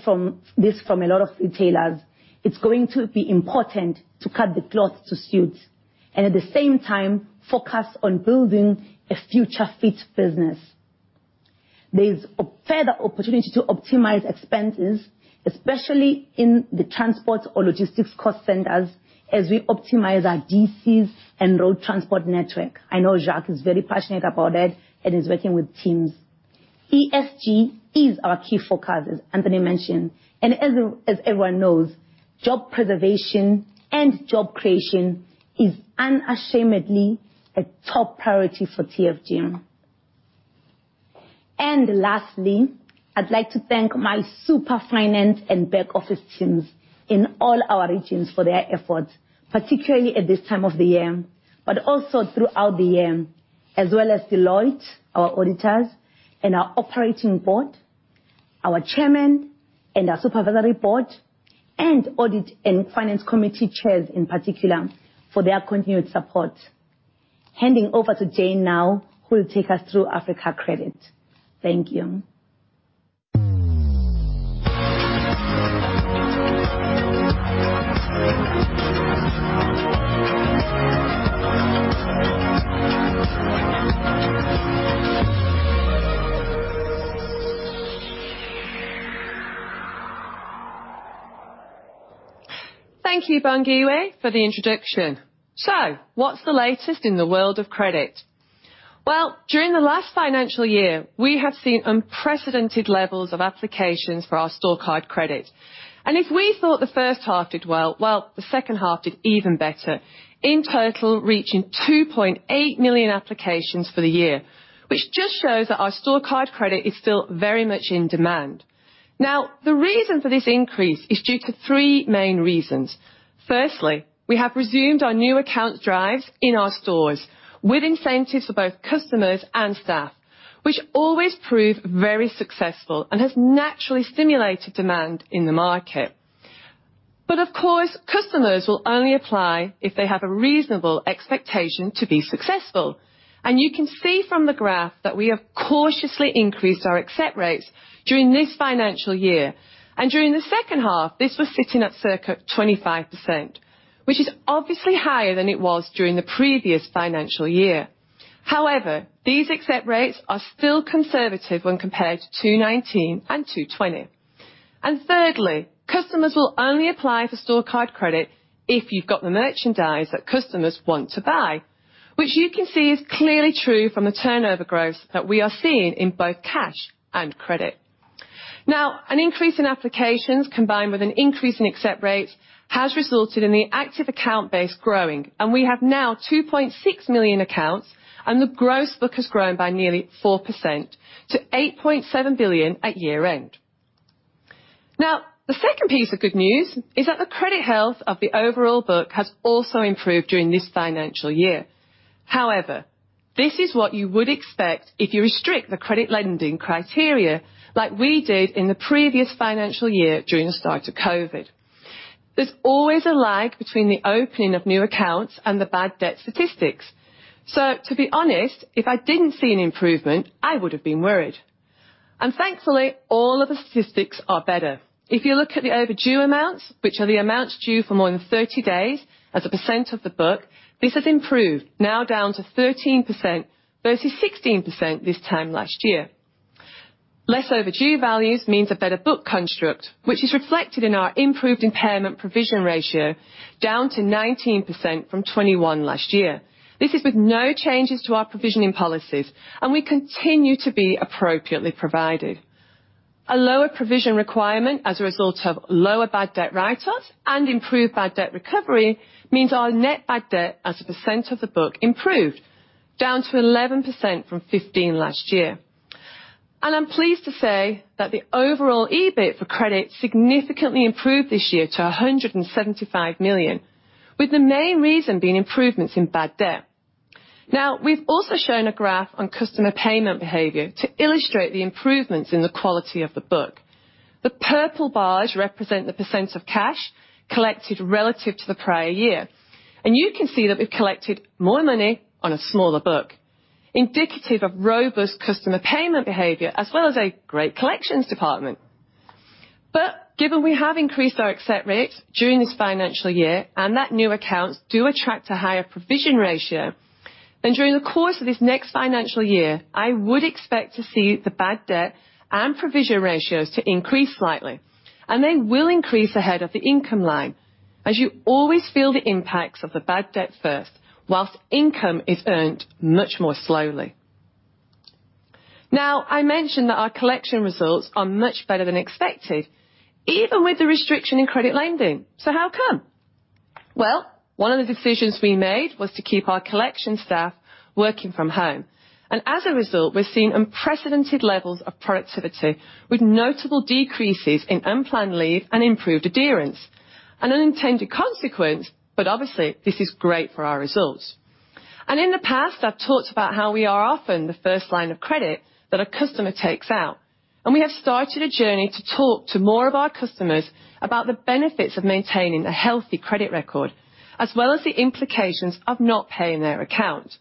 this from a lot of retailers, it's going to be important to cut the cloth to suit, and at the same time, focus on building a future fit business. There's a further opportunity to optimize expenses, especially in the transport or logistics cost centers as we optimize our DCs and road transport network. I know Jacques is very passionate about that and is working with teams. ESG is our key focus, as Anthony mentioned, and as everyone knows, job preservation and job creation is unashamedly a top priority for TFG. Lastly, I'd like to thank my super finance and back office teams in all our regions for their efforts, particularly at this time of the year, but also throughout the year, as well as Deloitte, our auditors, and our operating board, our chairman, and our supervisory board, and audit and finance committee chairs in particular for their continued support. Handing over to Jane now, who will take us through Africa Credit. Thank you. Thank you, Bongiwe, for the introduction. So what's the latest in the world of credit? Well, during the last financial year, we have seen unprecedented levels of applications for our store card credit. If we thought the first half did well, well, the second half did even better, in total reaching 2.8 million applications for the year, which just shows that our store card credit is still very much in demand. Now, the reason for this increase is due to three main reasons. Firstly, we have resumed our new account drives in our stores with incentives for both customers and staff, which always prove very successful and has naturally stimulated demand in the market. Of course, customers will only apply if they have a reasonable expectation to be successful. You can see from the graph that we have cautiously increased our accept rates during this financial year. During the second half, this was sitting at circa 25%, which is obviously higher than it was during the previous financial year. However, these accept rates are still conservative when compared to 2019 and 2020. Thirdly, customers will only apply for store card credit if you've got the merchandise that customers want to buy, which you can see is clearly true from the turnover growth that we are seeing in both cash and credit. Now, an increase in applications combined with an increase in accept rates has resulted in the active account base growing, and we have now 2.6 million accounts, and the gross book has grown by nearly 4% to 8.7 billion at year-end. Now, the second piece of good news is that the credit health of the overall book has also improved during this financial year. However, this is what you would expect if you restrict the credit lending criteria like we did in the previous financial year during the start of COVID. There's always a lag between the opening of new accounts and the bad debt statistics. So to be honest, if I didn't see an improvement, I would have been worried. Thankfully, all of the statistics are better. If you look at the overdue amounts, which are the amounts due for more than 30 days as a percent of the book, this has improved, now down to 13% versus 16% this time last year. Less overdue values means a better book construct, which is reflected in our improved impairment provision ratio down to 19% from 21% last year. This is with no changes to our provisioning policies, and we continue to be appropriately provided. A lower provision requirement as a result of lower bad debt write-offs and improved bad debt recovery means our net bad debt as a percent of the book improved, down to 11% from 15% last year. I'm pleased to say that the overall EBIT for credit significantly improved this year to 175 million, with the main reason being improvements in bad debt. Now, we've also shown a graph on customer payment behavior to illustrate the improvements in the quality of the book. The purple bars represent the percent of cash collected relative to the prior year, and you can see that we've collected more money on a smaller book, indicative of robust customer payment behavior as well as a great collections department. Given we have increased our accept rates during this financial year and that new accounts do attract a higher provision ratio, then during the course of this next financial year, I would expect to see the bad debt and provision ratios to increase slightly, and they will increase ahead of the income line as you always feel the impacts of the bad debt first, while income is earned much more slowly. Now, I mentioned that our collection results are much better than expected, even with the restriction in credit lending. How come? One of the decisions we made was to keep our collection staff working from home. As a result, we're seeing unprecedented levels of productivity with notable decreases in unplanned leave and improved adherence. An unintended consequence, but obviously, this is great for our results. In the past, I've talked about how we are often the first line of credit that a customer takes out, and we have started a journey to talk to more of our customers about the benefits of maintaining a healthy credit record, as well as the implications of not paying their account.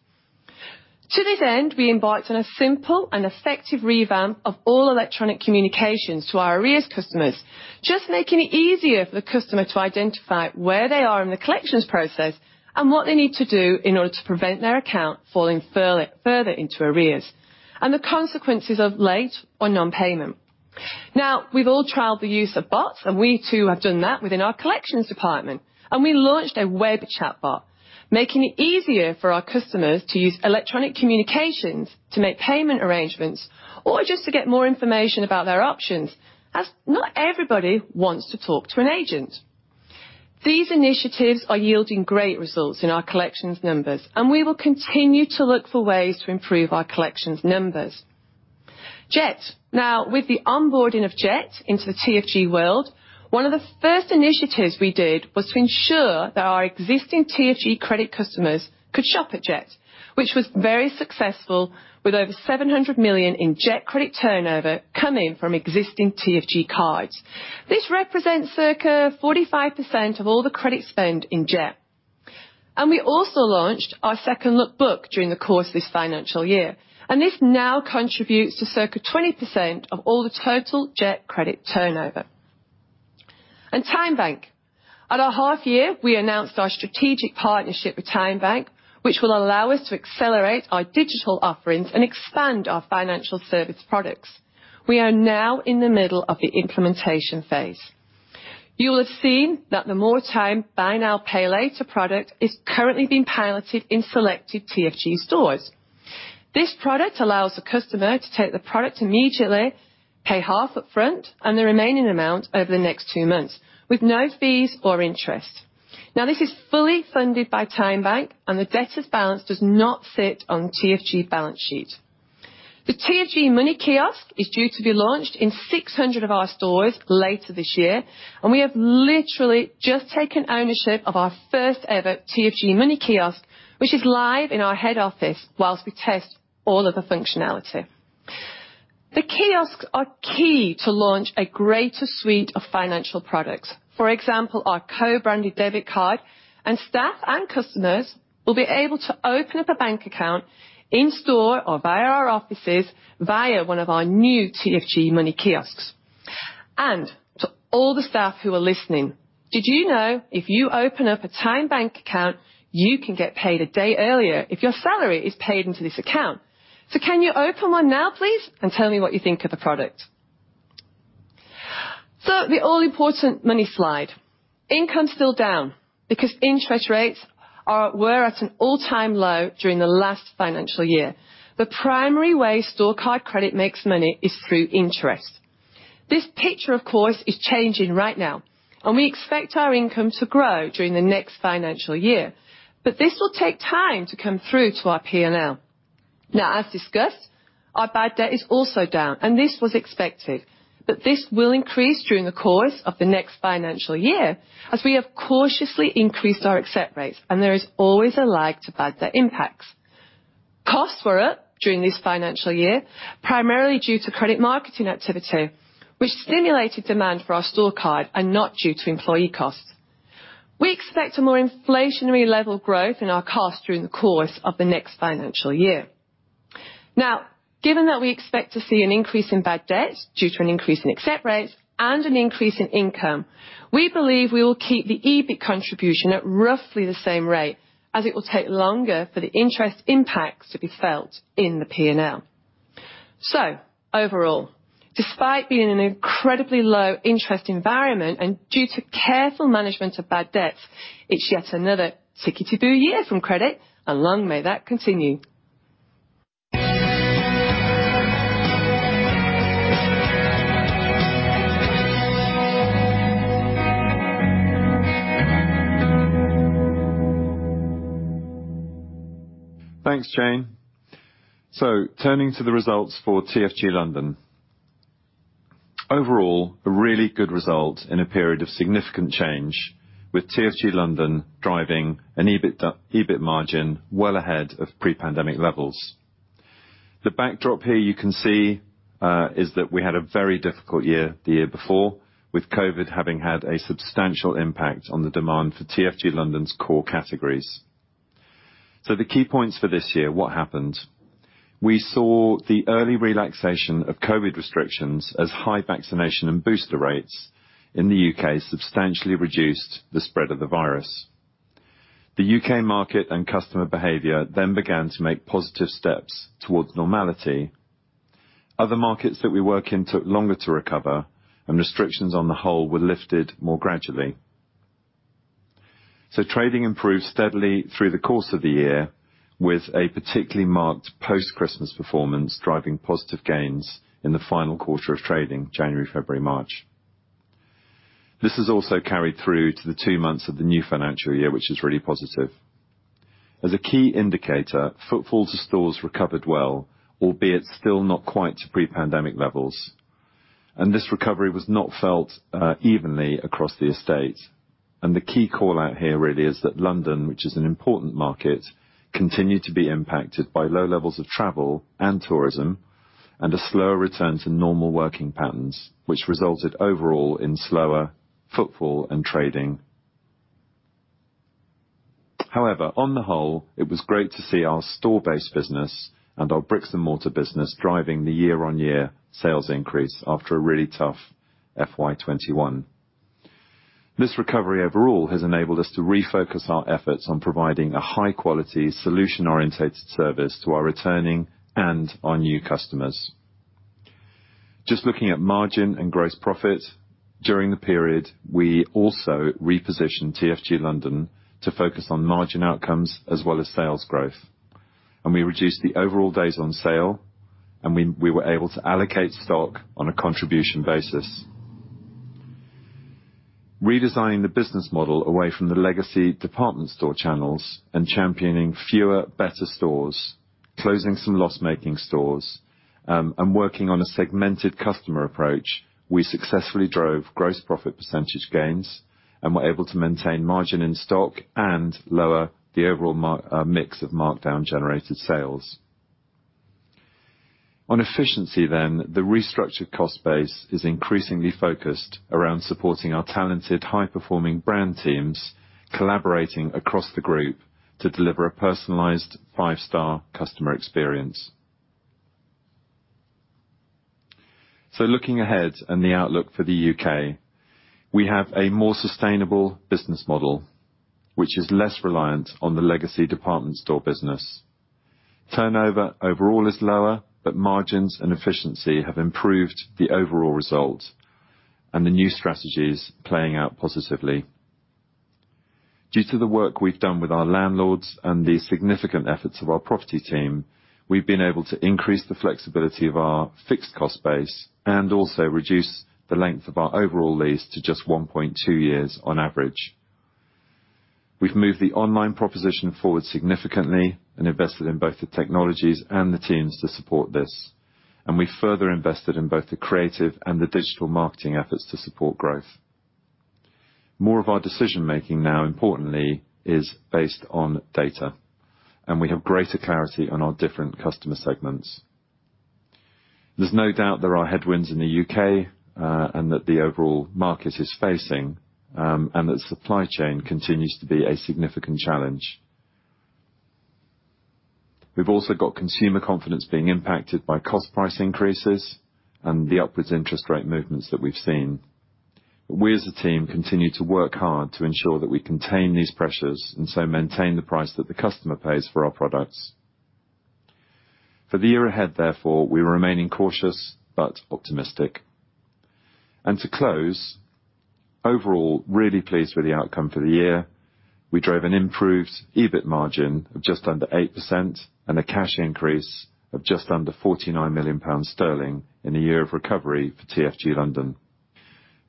To this end, we embarked on a simple and effective revamp of all electronic communications to our arrears customers, just making it easier for the customer to identify where they are in the collections process and what they need to do in order to prevent their account falling further into arrears and the consequences of late or non-payment. Now, we've all trialed the use of bots, and we too have done that within our collections department. We launched a web chat bot, making it easier for our customers to use electronic communications to make payment arrangements or just to get more information about their options, as not everybody wants to talk to an agent. These initiatives are yielding great results in our collections numbers, and we will continue to look for ways to improve our collections numbers. Jet. Now, with the onboarding of Jet into the TFG world, one of the first initiatives we did was to ensure that our existing TFG credit customers could shop at Jet, which was very successful, with over 700 million in Jet credit turnover coming from existing TFG cards. This represents circa 45% of all the credit spent in Jet. We also launched our second-look book during the course of this financial year, and this now contributes to circa 20% of all the total Jet credit turnover. TymeBank. At our half-year, we announced our strategic partnership with TymeBank, which will allow us to accelerate our digital offerings and expand our financial service products. We are now in the middle of the implementation phase. You'll have seen that the MoreTyme Buy Now Pay Later product is currently being piloted in selected TFG stores. This product allows the customer to take the product immediately, pay half upfront, and the remaining amount over the next two months with no fees or interest. Now, this is fully funded by TymeBank, and the debtor's balance does not sit on TFG balance sheet. The TFG Money Kiosk is due to be launched in 600 of our stores later this year, and we have literally just taken ownership of our first ever TFG Money Kiosk, which is live in our head office while we test all of the functionality. The kiosks are key to launch a greater suite of financial products. For example, our co-branded debit card and staff and customers will be able to open up a bank account in store or via our offices via one of our new TFG Money kiosks. To all the staff who are listening, did you know if you open up a TymeBank account, you can get paid a day earlier if your salary is paid into this account? Can you open one now, please? Tell me what you think of the product. The all-important money slide. Income's still down because interest rates were at an all-time low during the last financial year. The primary way store card credit makes money is through interest. This picture, of course, is changing right now, and we expect our income to grow during the next financial year, but this will take time to come through to our P&L. Now, as discussed, our bad debt is also down, and this was expected, but this will increase during the course of the next financial year as we have cautiously increased our accept rates, and there is always a lag to bad debt impacts. Costs were up during this financial year, primarily due to credit marketing activity, which stimulated demand for our store card, and not due to employee costs. We expect a more inflationary level growth in our costs during the course of the next financial year. Now, given that we expect to see an increase in bad debts due to an increase in accept rates and an increase in income, we believe we will keep the EBIT contribution at roughly the same rate as it will take longer for the interest impacts to be felt in the P&L. Overall, despite being in an incredibly low interest environment and due to careful management of bad debts, it's yet another tickety-boo year from credit, and long may that continue. Thanks, Jane. Turning to the results for TFG London. Overall, a really good result in a period of significant change, with TFG London driving an EBIT margin well ahead of pre-pandemic levels. The backdrop here you can see is that we had a very difficult year the year before, with COVID having had a substantial impact on the demand for TFG London's core categories. The key points for this year, what happened? We saw the early relaxation of COVID restrictions as high vaccination and booster rates in the U.K. substantially reduced the spread of the virus. The U.K. market and customer behavior then began to make positive steps towards normality. Other markets that we work in took longer to recover, and restrictions on the whole were lifted more gradually. Trading improved steadily through the course of the year, with a particularly marked post-Christmas performance driving positive gains in the final quarter of trading, January, February, March. This has also carried through to the two months of the new financial year, which is really positive. As a key indicator, footfall to stores recovered well, albeit still not quite to pre-pandemic levels, and this recovery was not felt evenly across the estate and the key call-out here really is that London, which is an important market, continued to be impacted by low levels of travel and tourism and a slower return to normal working patterns, which resulted overall in slower footfall and trading. However, on the whole, it was great to see our store-based business and our bricks and mortar business driving the year-on-year sales increase after a really tough FY 2021. This recovery overall has enabled us to refocus our efforts on providing a high-quality solution-oriented service to our returning and our new customers. Just looking at margin and gross profit, during the period, we also repositioned TFG London to focus on margin outcomes as well as sales growth. We reduced the overall days on sale, and we were able to allocate stock on a contribution basis. Redesigning the business model away from the legacy department store channels and championing fewer, better stores, closing some loss-making stores, and working on a segmented customer approach, we successfully drove gross profit percentage gains and were able to maintain margin in stock and lower the overall mix of markdown generated sales. On efficiency, the restructured cost base is increasingly focused around supporting our talented, high-performing brand teams, collaborating across the group to deliver a personalized five-star customer experience. Looking ahead and the outlook for the U.K., we have a more sustainable business model which is less reliant on the legacy department store business. Turnover overall is lower, but margins and efficiency have improved the overall result, and the new strategy is playing out positively. Due to the work we've done with our landlords and the significant efforts of our property team, we've been able to increase the flexibility of our fixed cost base and also reduce the length of our overall lease to just 1.2 years on average. We've moved the online proposition forward significantly and invested in both the technologies and the teams to support this, and we further invested in both the creative and the digital marketing efforts to support growth. More of our decision-making now, importantly, is based on data, and we have greater clarity on our different customer segments. There's no doubt there are headwinds in the U.K., and that the overall market is facing, and that supply chain continues to be a significant challenge. We've also got consumer confidence being impacted by cost price increases and the upwards interest rate movements that we've seen. We as a team continue to work hard to ensure that we contain these pressures and so maintain the price that the customer pays for our products. For the year ahead, therefore, we're remaining cautious but optimistic. To close, overall, really pleased with the outcome for the year. We drove an improved EBIT margin of just under 8% and a cash increase of just under 49 million sterling in a year of recovery for TFG London.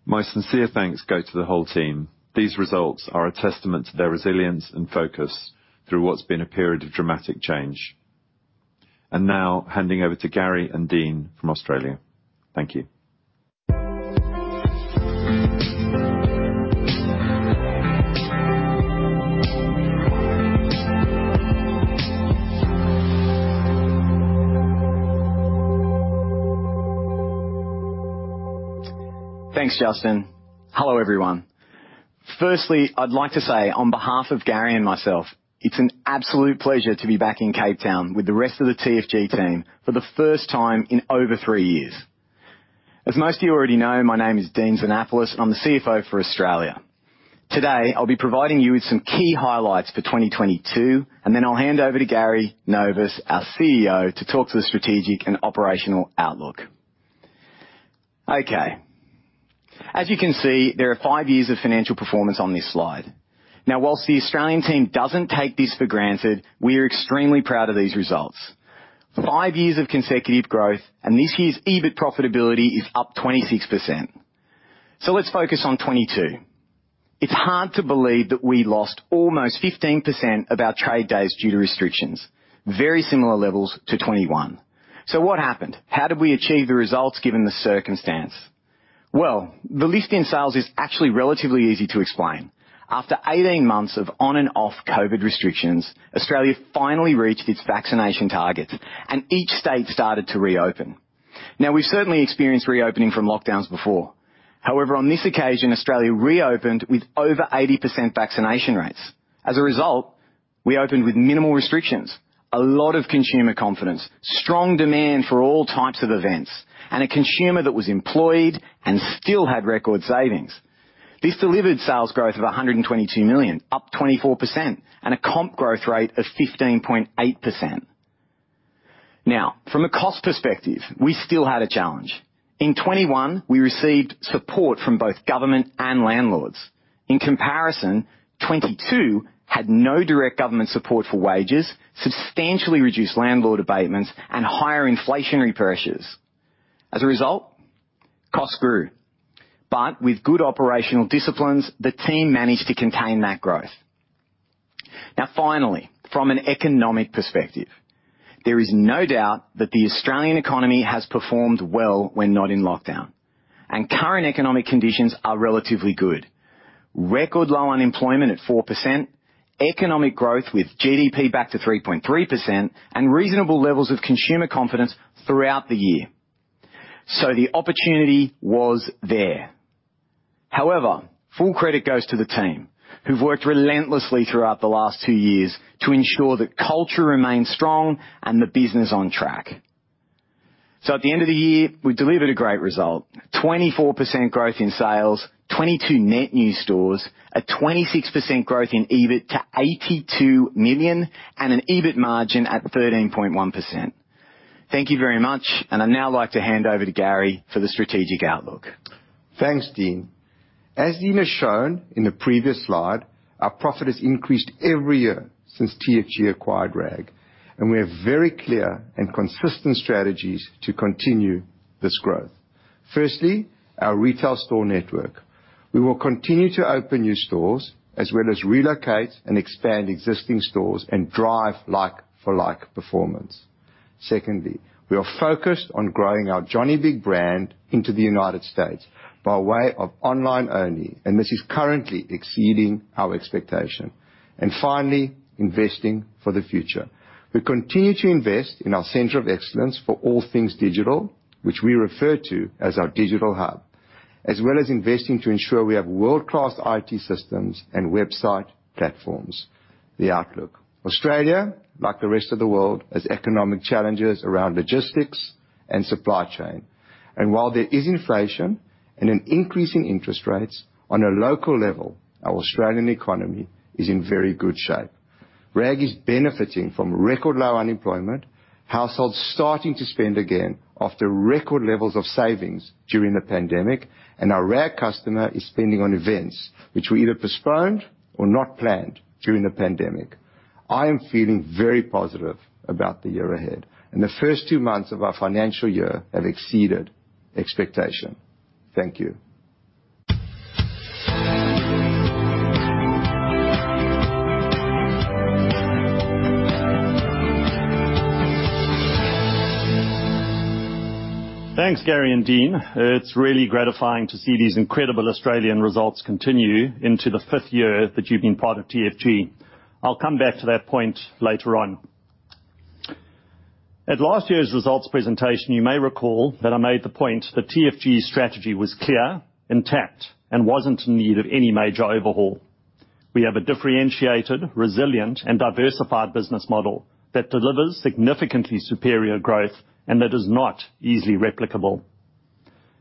My sincere thanks go to the whole team. These results are a testament to their resilience and focus through what's been a period of dramatic change. Now handing over to Gary and Dean from Australia. Thank you. Thanks, Justin. Hello, everyone. Firstly, I'd like to say on behalf of Gary and myself, it's an absolute pleasure to be back in Cape Town with the rest of the TFG team for the first time in over three years. As most of you already know, my name is Dean Zanapalis, I'm the CFO for Australia. Today, I'll be providing you with some key highlights for 2022, and then I'll hand over to Gary Novis, our CEO, to talk to the strategic and operational outlook. Okay. As you can see, there are five years of financial performance on this slide. Now, while the Australian team doesn't take this for granted, we are extremely proud of these results. Five years of consecutive growth, and this year's EBIT profitability is up 26%. Let's focus on 2022. It's hard to believe that we lost almost 15% of our trade days due to restrictions, very similar levels to 2021. What happened? How did we achieve the results given the circumstance? Well, the lift in sales is actually relatively easy to explain. After 18 months of on and off COVID restrictions, Australia finally reached its vaccination targets, and each state started to reopen. Now, we've certainly experienced reopening from lockdowns before. However, on this occasion, Australia reopened with over 80% vaccination rates. As a result, we opened with minimal restrictions, a lot of consumer confidence, strong demand for all types of events, and a consumer that was employed and still had record savings. This delivered sales growth of 122 million, up 24%, and a comp growth rate of 15.8%. Now, from a cost perspective, we still had a challenge. In 2021, we received support from both government and landlords. In comparison, 2022 had no direct government support for wages, substantially reduced landlord abatements, and higher inflationary pressures. As a result, costs grew. With good operational disciplines, the team managed to contain that growth. Now, finally, from an economic perspective, there is no doubt that the Australian economy has performed well when not in lockdown, and current economic conditions are relatively good. Record low unemployment at 4%, economic growth with GDP back to 3.3%, and reasonable levels of consumer confidence throughout the year. The opportunity was there. However, full credit goes to the team who've worked relentlessly throughout the last two years to ensure that culture remains strong and the business on track. At the end of the year, we delivered a great result. 24% growth in sales, 22 net new stores, a 26% growth in EBIT to 82 million, and an EBIT margin at 13.1%. Thank you very much. I'd now like to hand over to Gary for the strategic outlook. Thanks, Dean. As Dean has shown in the previous slide, our profit has increased every year since TFG acquired RAG, and we have very clear and consistent strategies to continue this growth. Firstly, our retail store network. We will continue to open new stores as well as relocate and expand existing stores and drive like-for-like performance. Secondly, we are focused on growing our Johnny Bigg brand into the United States by way of online only, and this is currently exceeding our expectation. Finally, investing for the future. We continue to invest in our center of excellence for all things digital, which we refer to as our digital hub, as well as investing to ensure we have world-class IT systems and website platforms. The outlook. Australia, like the rest of the world, has economic challenges around logistics and supply chain. While there is inflation and an increase in interest rates on a local level, our Australian economy is in very good shape. RAG is benefiting from record low unemployment, households starting to spend again after record levels of savings during the pandemic, and our RAG customer is spending on events which were either postponed or not planned during the pandemic. I am feeling very positive about the year ahead, and the first two months of our financial year have exceeded expectation. Thank you. Thanks, Gary and Dean. It's really gratifying to see these incredible Australian results continue into the fifth year that you've been part of TFG. I'll come back to that point later on. At last year's results presentation, you may recall that I made the point that TFG's strategy was clear, intact, and wasn't in need of any major overhaul. We have a differentiated, resilient, and diversified business model that delivers significantly superior growth and that is not easily replicable.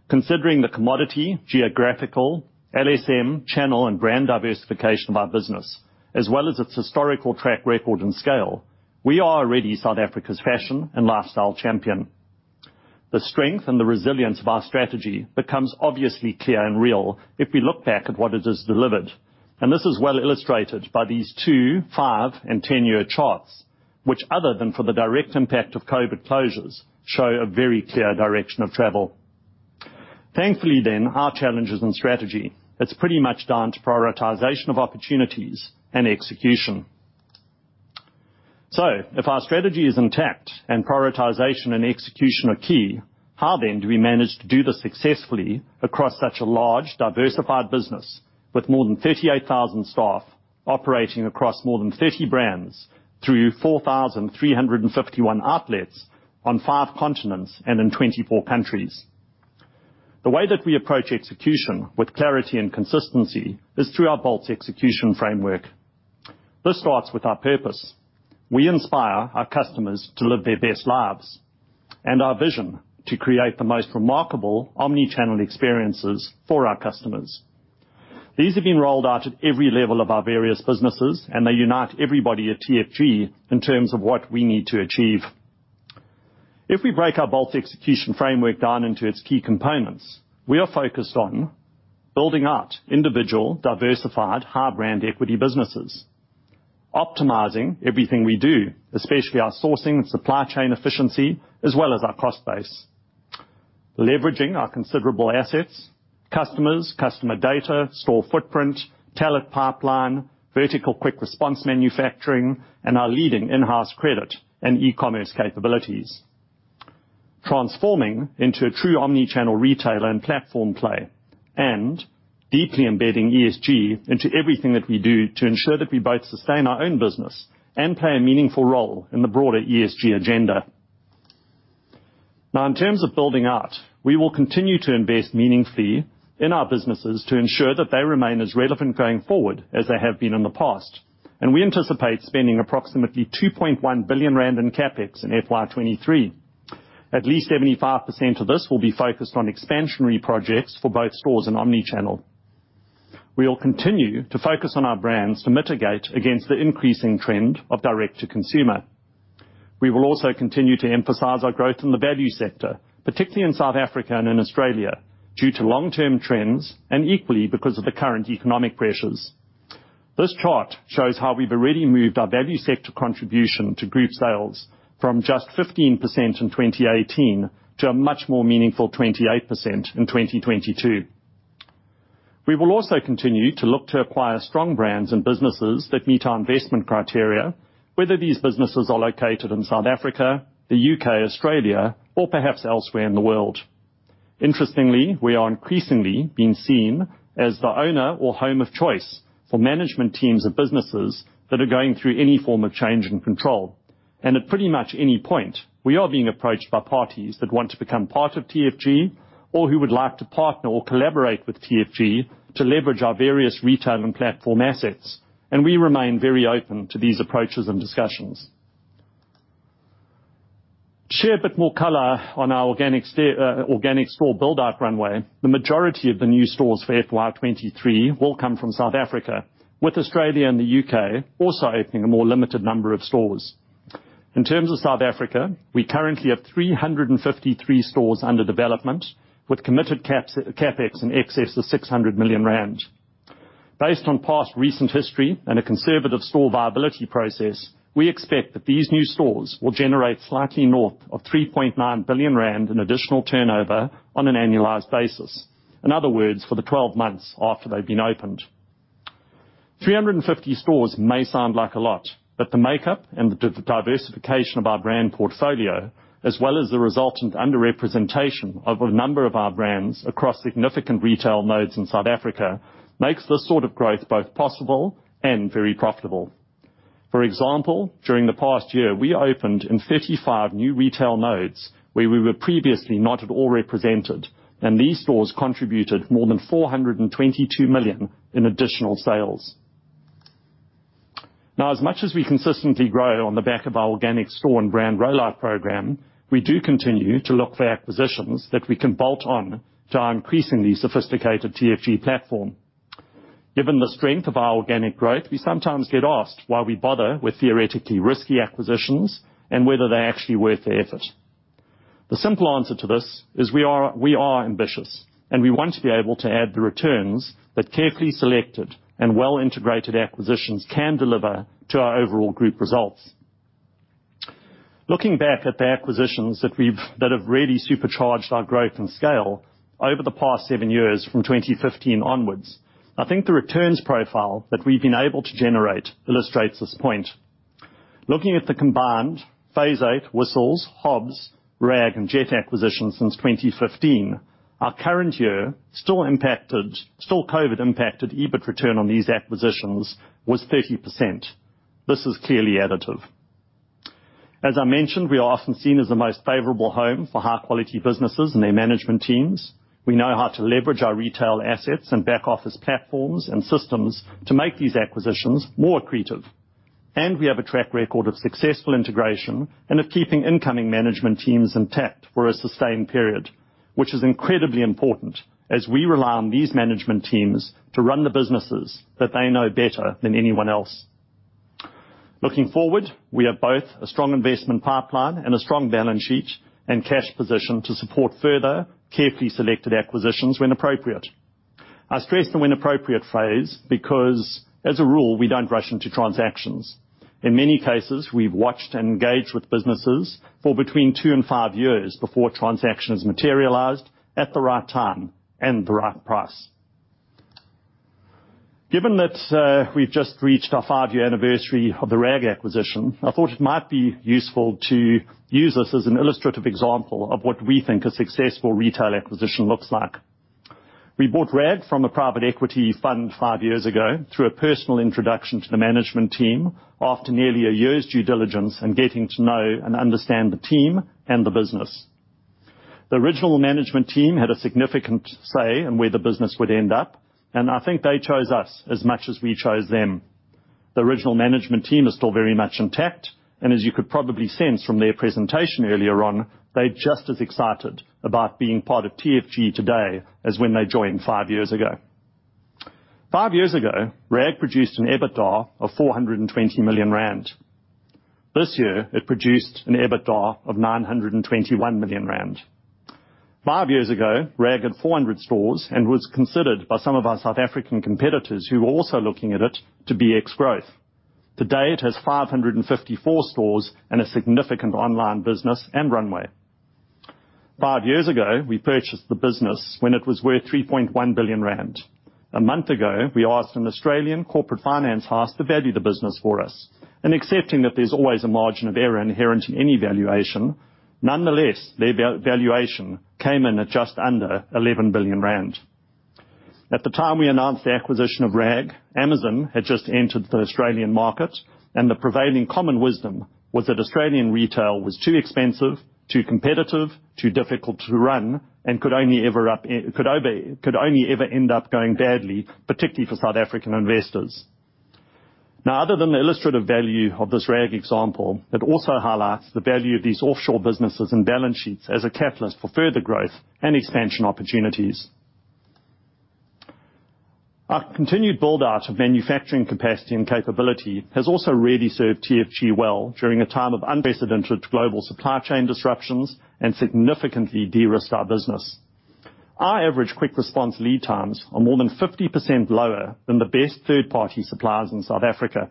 Considering the commodity, geographical, LSM, channel, and brand diversification of our business, as well as its historical track record and scale, we are already South Africa's fashion and lifestyle champion. The strength and the resilience of our strategy becomes obviously clear and real if we look back at what it has delivered, and this is well illustrated by these 2-, 5-, and 10-year charts, which other than for the direct impact of COVID closures, show a very clear direction of travel. Thankfully, then, our challenges and strategy, it's pretty much down to prioritization of opportunities and execution. If our strategy is intact and prioritization and execution are key, how then do we manage to do this successfully across such a large, diversified business with more than 38,000 staff operating across more than 30 brands through 4,351 outlets on five continents and in 24 countries? The way that we approach execution with clarity and consistency is through our BOLT execution framework. This starts with our purpose. We inspire our customers to live their best lives, and our vision to create the most remarkable omni-channel experiences for our customers. These have been rolled out at every level of our various businesses, and they unite everybody at TFG in terms of what we need to achieve. If we break our BOLT execution framework down into its key components, we are focused on building out individual, diversified, high-brand equity businesses. Optimizing everything we do, especially our sourcing, supply chain efficiency, as well as our cost base. leveraging our considerable assets, customers, customer data, store footprint, talent pipeline, vertical quick response manufacturing, and our leading in-house credit and e-commerce capabilities. Transforming into a true omni-channel retailer and platform play, and deeply embedding ESG into everything that we do to ensure that we both sustain our own business and play a meaningful role in the broader ESG agenda. Now, in terms of building out, we will continue to invest meaningfully in our businesses to ensure that they remain as relevant going forward as they have been in the past. We anticipate spending approximately 2.1 billion rand in CapEx in FY 2023. At least 75% of this will be focused on expansionary projects for both stores and omni-channel. We will continue to focus on our brands to mitigate against the increasing trend of direct-to-consumer. We will also continue to emphasize our growth in the value sector, particularly in South Africa and in Australia, due to long-term trends and equally because of the current economic pressures. This chart shows how we've already moved our value sector contribution to group sales from just 15% in 2018 to a much more meaningful 28% in 2022. We will also continue to look to acquire strong brands and businesses that meet our investment criteria, whether these businesses are located in South Africa, the U.K., Australia, or perhaps elsewhere in the world. Interestingly, we are increasingly being seen as the owner or home of choice for management teams of businesses that are going through any form of change in control. At pretty much any point, we are being approached by parties that want to become part of TFG or who would like to partner or collaborate with TFG to leverage our various retail and platform assets, and we remain very open to these approaches and discussions. To share a bit more color on our organic store build-out runway, the majority of the new stores for FY 2023 will come from South Africa, with Australia and the U.K. also opening a more limited number of stores. In terms of South Africa, we currently have 353 stores under development with committed CapEx in excess of 600 million rand. Based on past recent history and a conservative store viability process, we expect that these new stores will generate slightly north of 3.9 billion rand in additional turnover on an annualized basis. In other words, for the 12 months after they've been opened. 350 stores may sound like a lot, but the makeup and the diversification of our brand portfolio, as well as the resultant underrepresentation of a number of our brands across significant retail nodes in South Africa, makes this sort of growth both possible and very profitable. For example, during the past year, we opened in 55 new retail nodes where we were previously not at all represented, and these stores contributed more than 422 million in additional sales. Now, as much as we consistently grow on the back of our organic store and brand rollout program, we do continue to look for acquisitions that we can bolt on to our increasingly sophisticated TFG platform. Given the strength of our organic growth, we sometimes get asked why we bother with theoretically risky acquisitions and whether they're actually worth the effort. The simple answer to this is we are ambitious, and we want to be able to add the returns that carefully selected and well-integrated acquisitions can deliver to our overall group results. Looking back at the acquisitions that have really supercharged our growth and scale over the past seven years from 2015 onwards, I think the returns profile that we've been able to generate illustrates this point. Looking at the combined Phase Eight, Whistles, Hobbs, RAG, and Jet acquisitions since 2015, our current year, still COVID impacted EBIT return on these acquisitions was 30%. This is clearly additive. As I mentioned, we are often seen as the most favorable home for high-quality businesses and their management teams. We know how to leverage our retail assets and back office platforms and systems to make these acquisitions more accretive. We have a track record of successful integration and of keeping incoming management teams intact for a sustained period, which is incredibly important as we rely on these management teams to run the businesses that they know better than anyone else. Looking forward, we have both a strong investment pipeline and a strong balance sheet and cash position to support further carefully selected acquisitions when appropriate. I stress the when appropriate phrase because, as a rule, we don't rush into transactions. In many cases, we've watched and engaged with businesses for between two and five years before transactions materialized at the right time and the right price. Given that, we've just reached our five-year anniversary of the RAG acquisition, I thought it might be useful to use this as an illustrative example of what we think a successful retail acquisition looks like. We bought RAG from a private equity fund five years ago through a personal introduction to the management team after nearly a year's due diligence and getting to know and understand the team and the business. The original management team had a significant say in where the business would end up, and I think they chose us as much as we chose them. The original management team is still very much intact, and as you could probably sense from their presentation earlier on, they're just as excited about being part of TFG today as when they joined five years ago. Five years ago, RAG produced an EBITDA of 420 million rand. This year, it produced an EBITDA of 921 million rand. Five years ago, RAG had 400 stores and was considered by some of our South African competitors who were also looking at it to be ex-growth. Today, it has 554 stores and a significant online business and runway. Five years ago, we purchased the business when it was worth 3.1 billion rand. A month ago, we asked an Australian corporate finance house to value the business for us, and accepting that there's always a margin of error inherent in any valuation, nonetheless, their valuation came in at just under 11 billion rand. At the time we announced the acquisition of RAG, Amazon had just entered the Australian market, and the prevailing common wisdom was that Australian retail was too expensive, too competitive, too difficult to run, and could only ever end up going badly, particularly for South African investors. Now, other than the illustrative value of this RAG example, it also highlights the value of these offshore businesses and balance sheets as a catalyst for further growth and expansion opportunities. Our continued build-out of manufacturing capacity and capability has also really served TFG well during a time of unprecedented global supply chain disruptions and significantly de-risked our business. Our average quick response lead times are more than 50% lower than the best third-party suppliers in South Africa.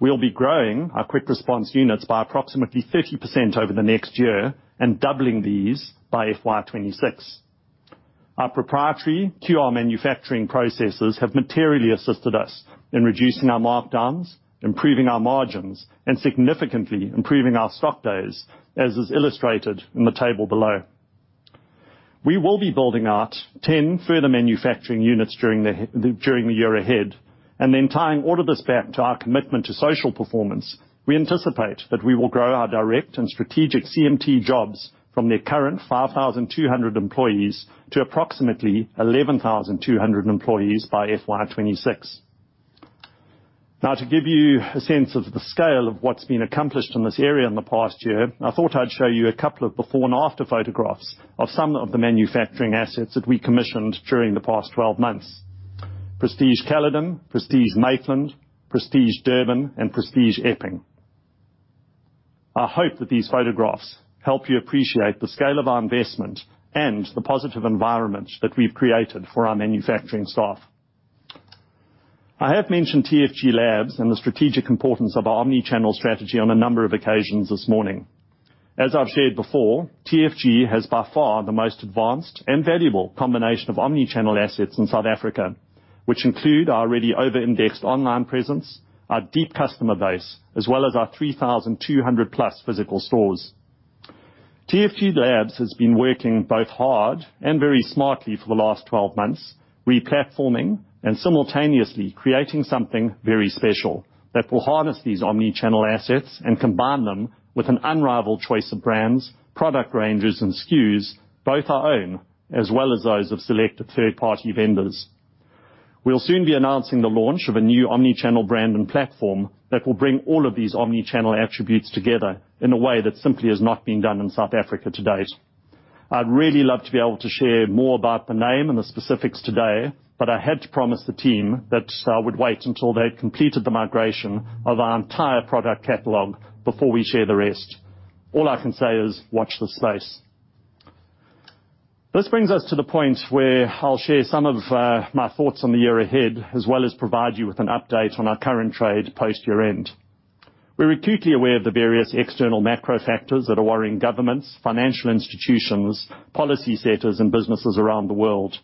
We'll be growing our quick response units by approximately 50% over the next year and doubling these by FY 2026. Our proprietary QR manufacturing processes have materially assisted us in reducing our markdowns, improving our margins, and significantly improving our stock days, as is illustrated in the table below. We will be building out 10 further manufacturing units during the year ahead. Tying all of this back to our commitment to social performance, we anticipate that we will grow our direct and strategic CMT jobs from their current 5,200 employees to approximately 11,200 employees by FY 2026. Now, to give you a sense of the scale of what's been accomplished in this area in the past year, I thought I'd show you a couple of before-and-after photographs of some of the manufacturing assets that we commissioned during the past 12 months. Prestige Caledon, Prestige Maitland, Prestige Durban, and Prestige Epping. I hope that these photographs help you appreciate the scale of our investment and the positive environment that we've created for our manufacturing staff. I have mentioned TFG Labs and the strategic importance of our omni-channel strategy on a number of occasions this morning. As I've shared before, TFG has by far the most advanced and valuable combination of omni-channel assets in South Africa, which include our already over-indexed online presence, our deep customer base, as well as our 3,200+ physical stores. TFG Labs has been working both hard and very smartly for the last 12 months, re-platforming and simultaneously creating something very special that will harness these omni-channel assets and combine them with an unrivaled choice of brands, product ranges, and SKUs, both our own as well as those of selected third-party vendors. We'll soon be announcing the launch of a new omni-channel brand and platform that will bring all of these omni-channel attributes together in a way that simply has not been done in South Africa to date. I'd really love to be able to share more about the name and the specifics today, but I had to promise the team that I would wait until they'd completed the migration of our entire product catalog before we share the rest. All I can say is watch this space. This brings us to the point where I'll share some of my thoughts on the year ahead, as well as provide you with an update on our current trade post year-end. We're acutely aware of the various external macro factors that are worrying governments, financial institutions, policy centers, and businesses around the world.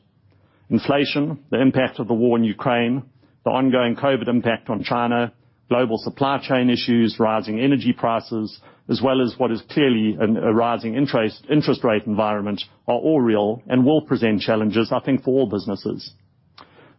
Inflation, the impact of the war in Ukraine, the ongoing COVID impact on China, global supply chain issues, rising energy prices, as well as what is clearly a rising interest rate environment, are all real and will present challenges, I think, for all businesses.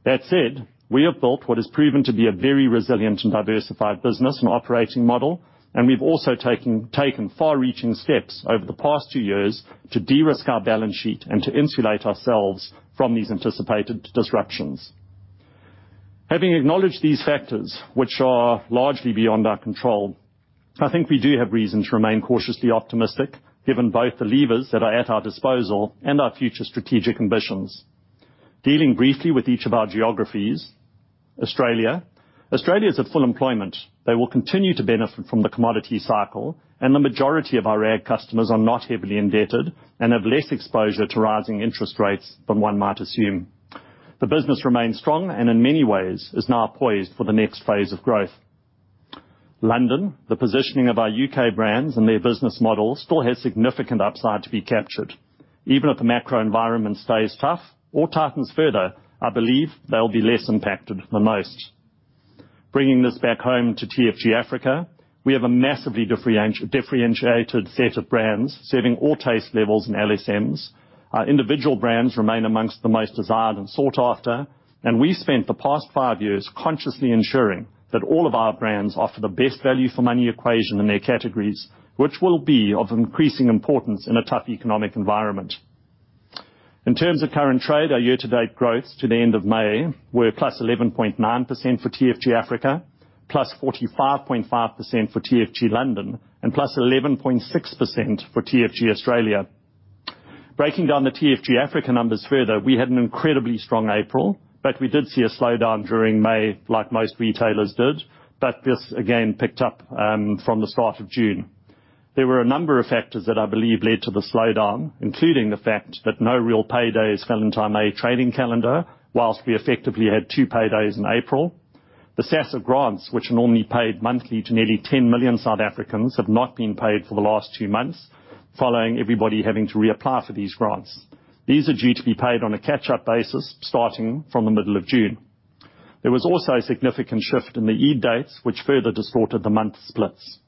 That said, we have built what has proven to be a very resilient and diversified business and operating model, and we've also taken far-reaching steps over the past two years to de-risk our balance sheet and to insulate ourselves from these anticipated disruptions. Having acknowledged these factors, which are largely beyond our control, I think we do have reason to remain cautiously optimistic given both the levers that are at our disposal and our future strategic ambitions. Dealing briefly with each of our geographies. Australia is at full employment. They will continue to benefit from the commodity cycle, and the majority of our core customers are not heavily indebted and have less exposure to rising interest rates than one might assume. The business remains strong and in many ways is now poised for the next phase of growth. London, the positioning of our U.K. brands and their business model still has significant upside to be captured. Even if the macro environment stays tough or tightens further, I believe they'll be less impacted than most. Bringing this back home to TFG Africa, we have a massively differentiated set of brands serving all taste levels and LSMs. Our individual brands remain amongst the most desired and sought after, and we spent the past five years consciously ensuring that all of our brands offer the best value for money equation in their categories, which will be of increasing importance in a tough economic environment. In terms of current trade, our year-to-date growth to the end of May were +11.9% for TFG Africa, +45.5% for TFG London, and +11.6% for TFG Australia. Breaking down the TFG Africa numbers further, we had an incredibly strong April, but we did see a slowdown during May like most retailers did, but this again picked up from the start of June. There were a number of factors that I believe led to the slowdown, including the fact that no real paydays fell into our May trading calendar, while we effectively had two paydays in April. The SASSA grants, which are normally paid monthly to nearly 10 million South Africans, have not been paid for the last two months, following everybody having to reapply for these grants. These are due to be paid on a catch-up basis starting from the middle of June. There was also a significant shift in the Eid dates, which further distorted the month splits.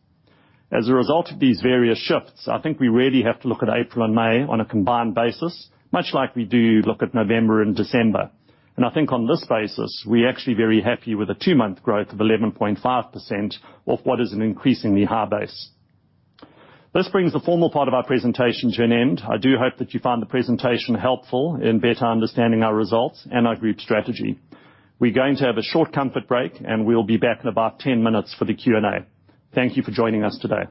As a result of these various shifts, I think we really have to look at April and May on a combined basis, much like we do look at November and December. I think on this basis, we're actually very happy with the two-month growth of 11.5% off what is an increasingly high base. This brings the formal part of our presentation to an end. I do hope that you found the presentation helpful in better understanding our results and our group strategy. We're going to have a short comfort break, and we'll be back in about 10 minutes for the Q&A. Thank you for joining us today.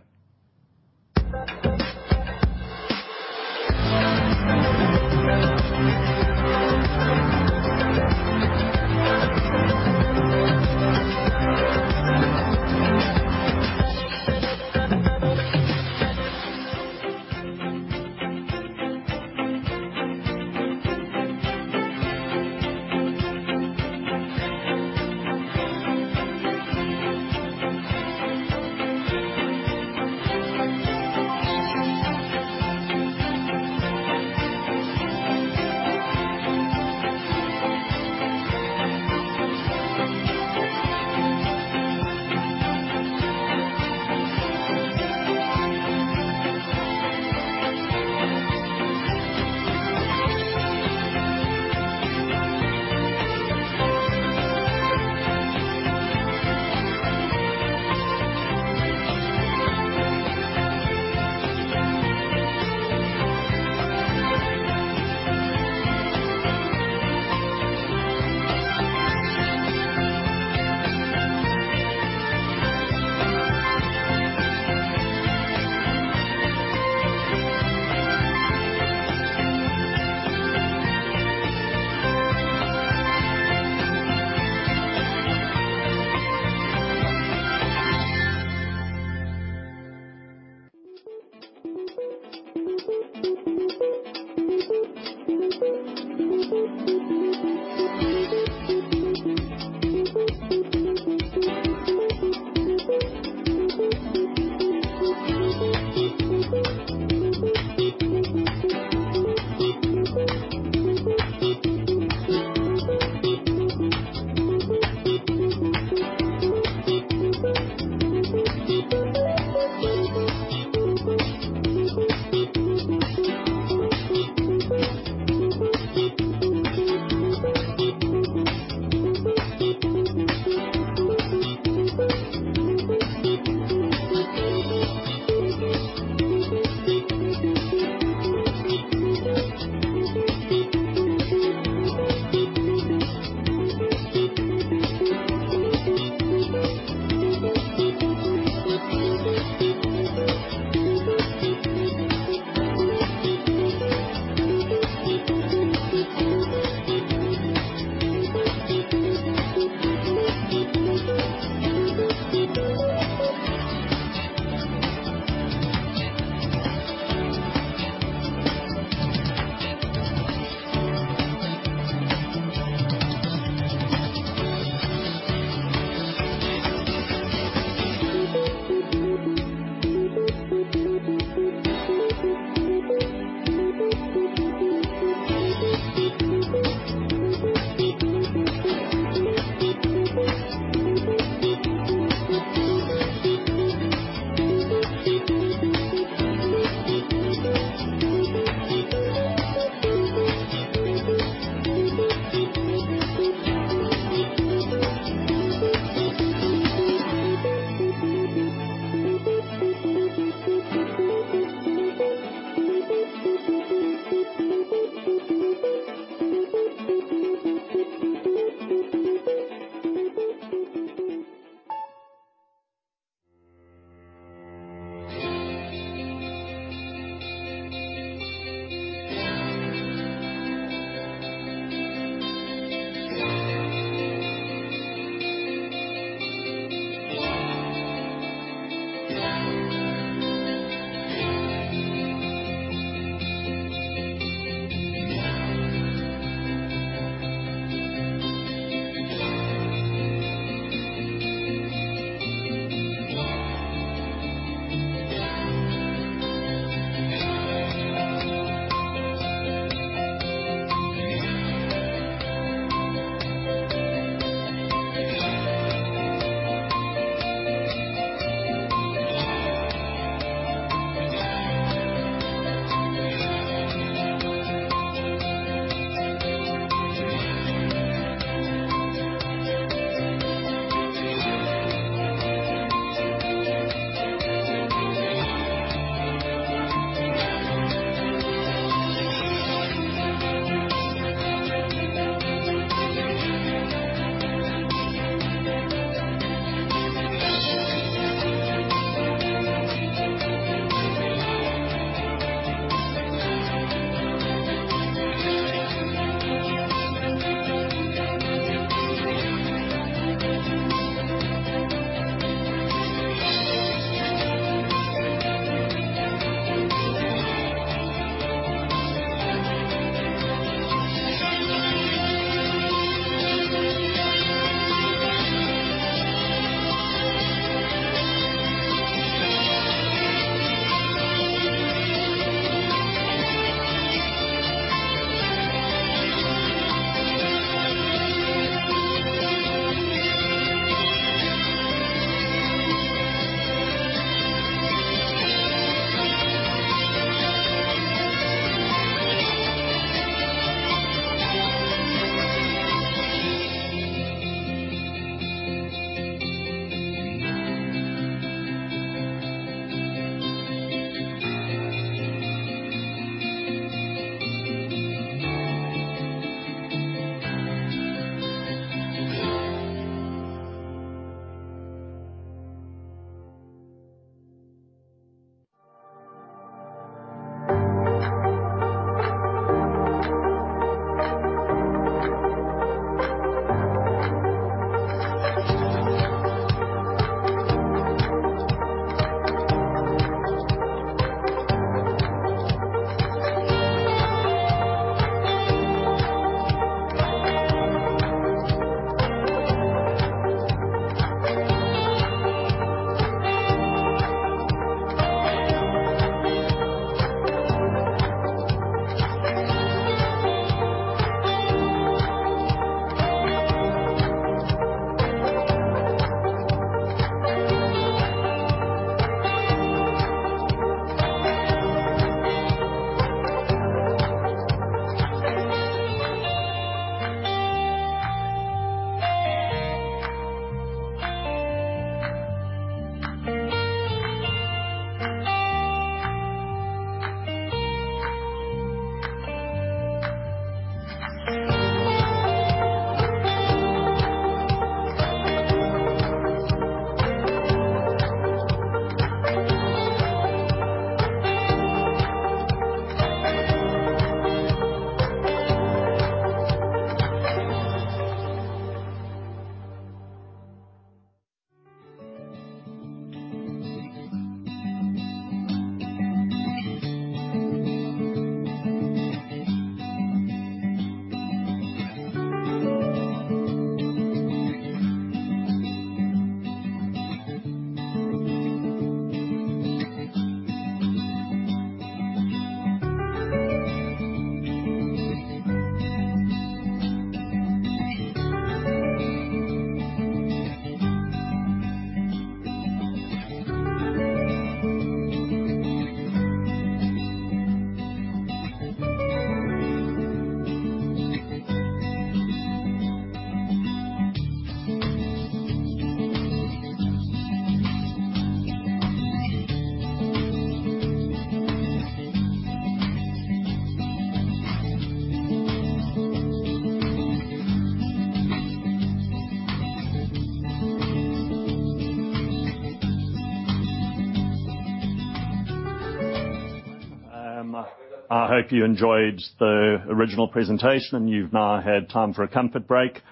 I hope you enjoyed the original presentation and you've now had time for a comfort break.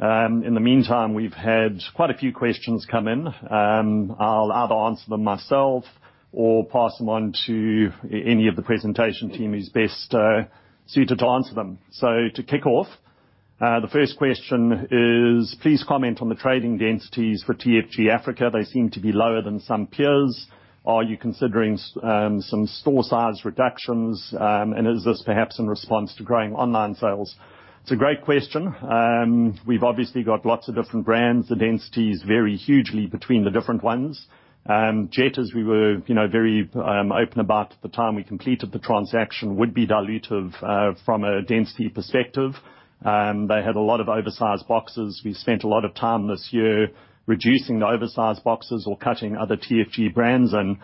In the meantime, we've had quite a few questions come in. I'll either answer them myself or pass them on to any of the presentation team who's best suited to answer them. To kick off, the first question is, please comment on the trading densities for TFG Africa. They seem to be lower than some peers. Are you considering some store size reductions? Is this perhaps in response to growing online sales? It's a great question. We've obviously got lots of different brands. The densities vary hugely between the different ones. Jet, as we were, you know, very open about at the time we completed the transaction, would be dilutive from a density perspective. They had a lot of oversized boxes. We spent a lot of time this year reducing the oversized boxes or cutting other TFG brands and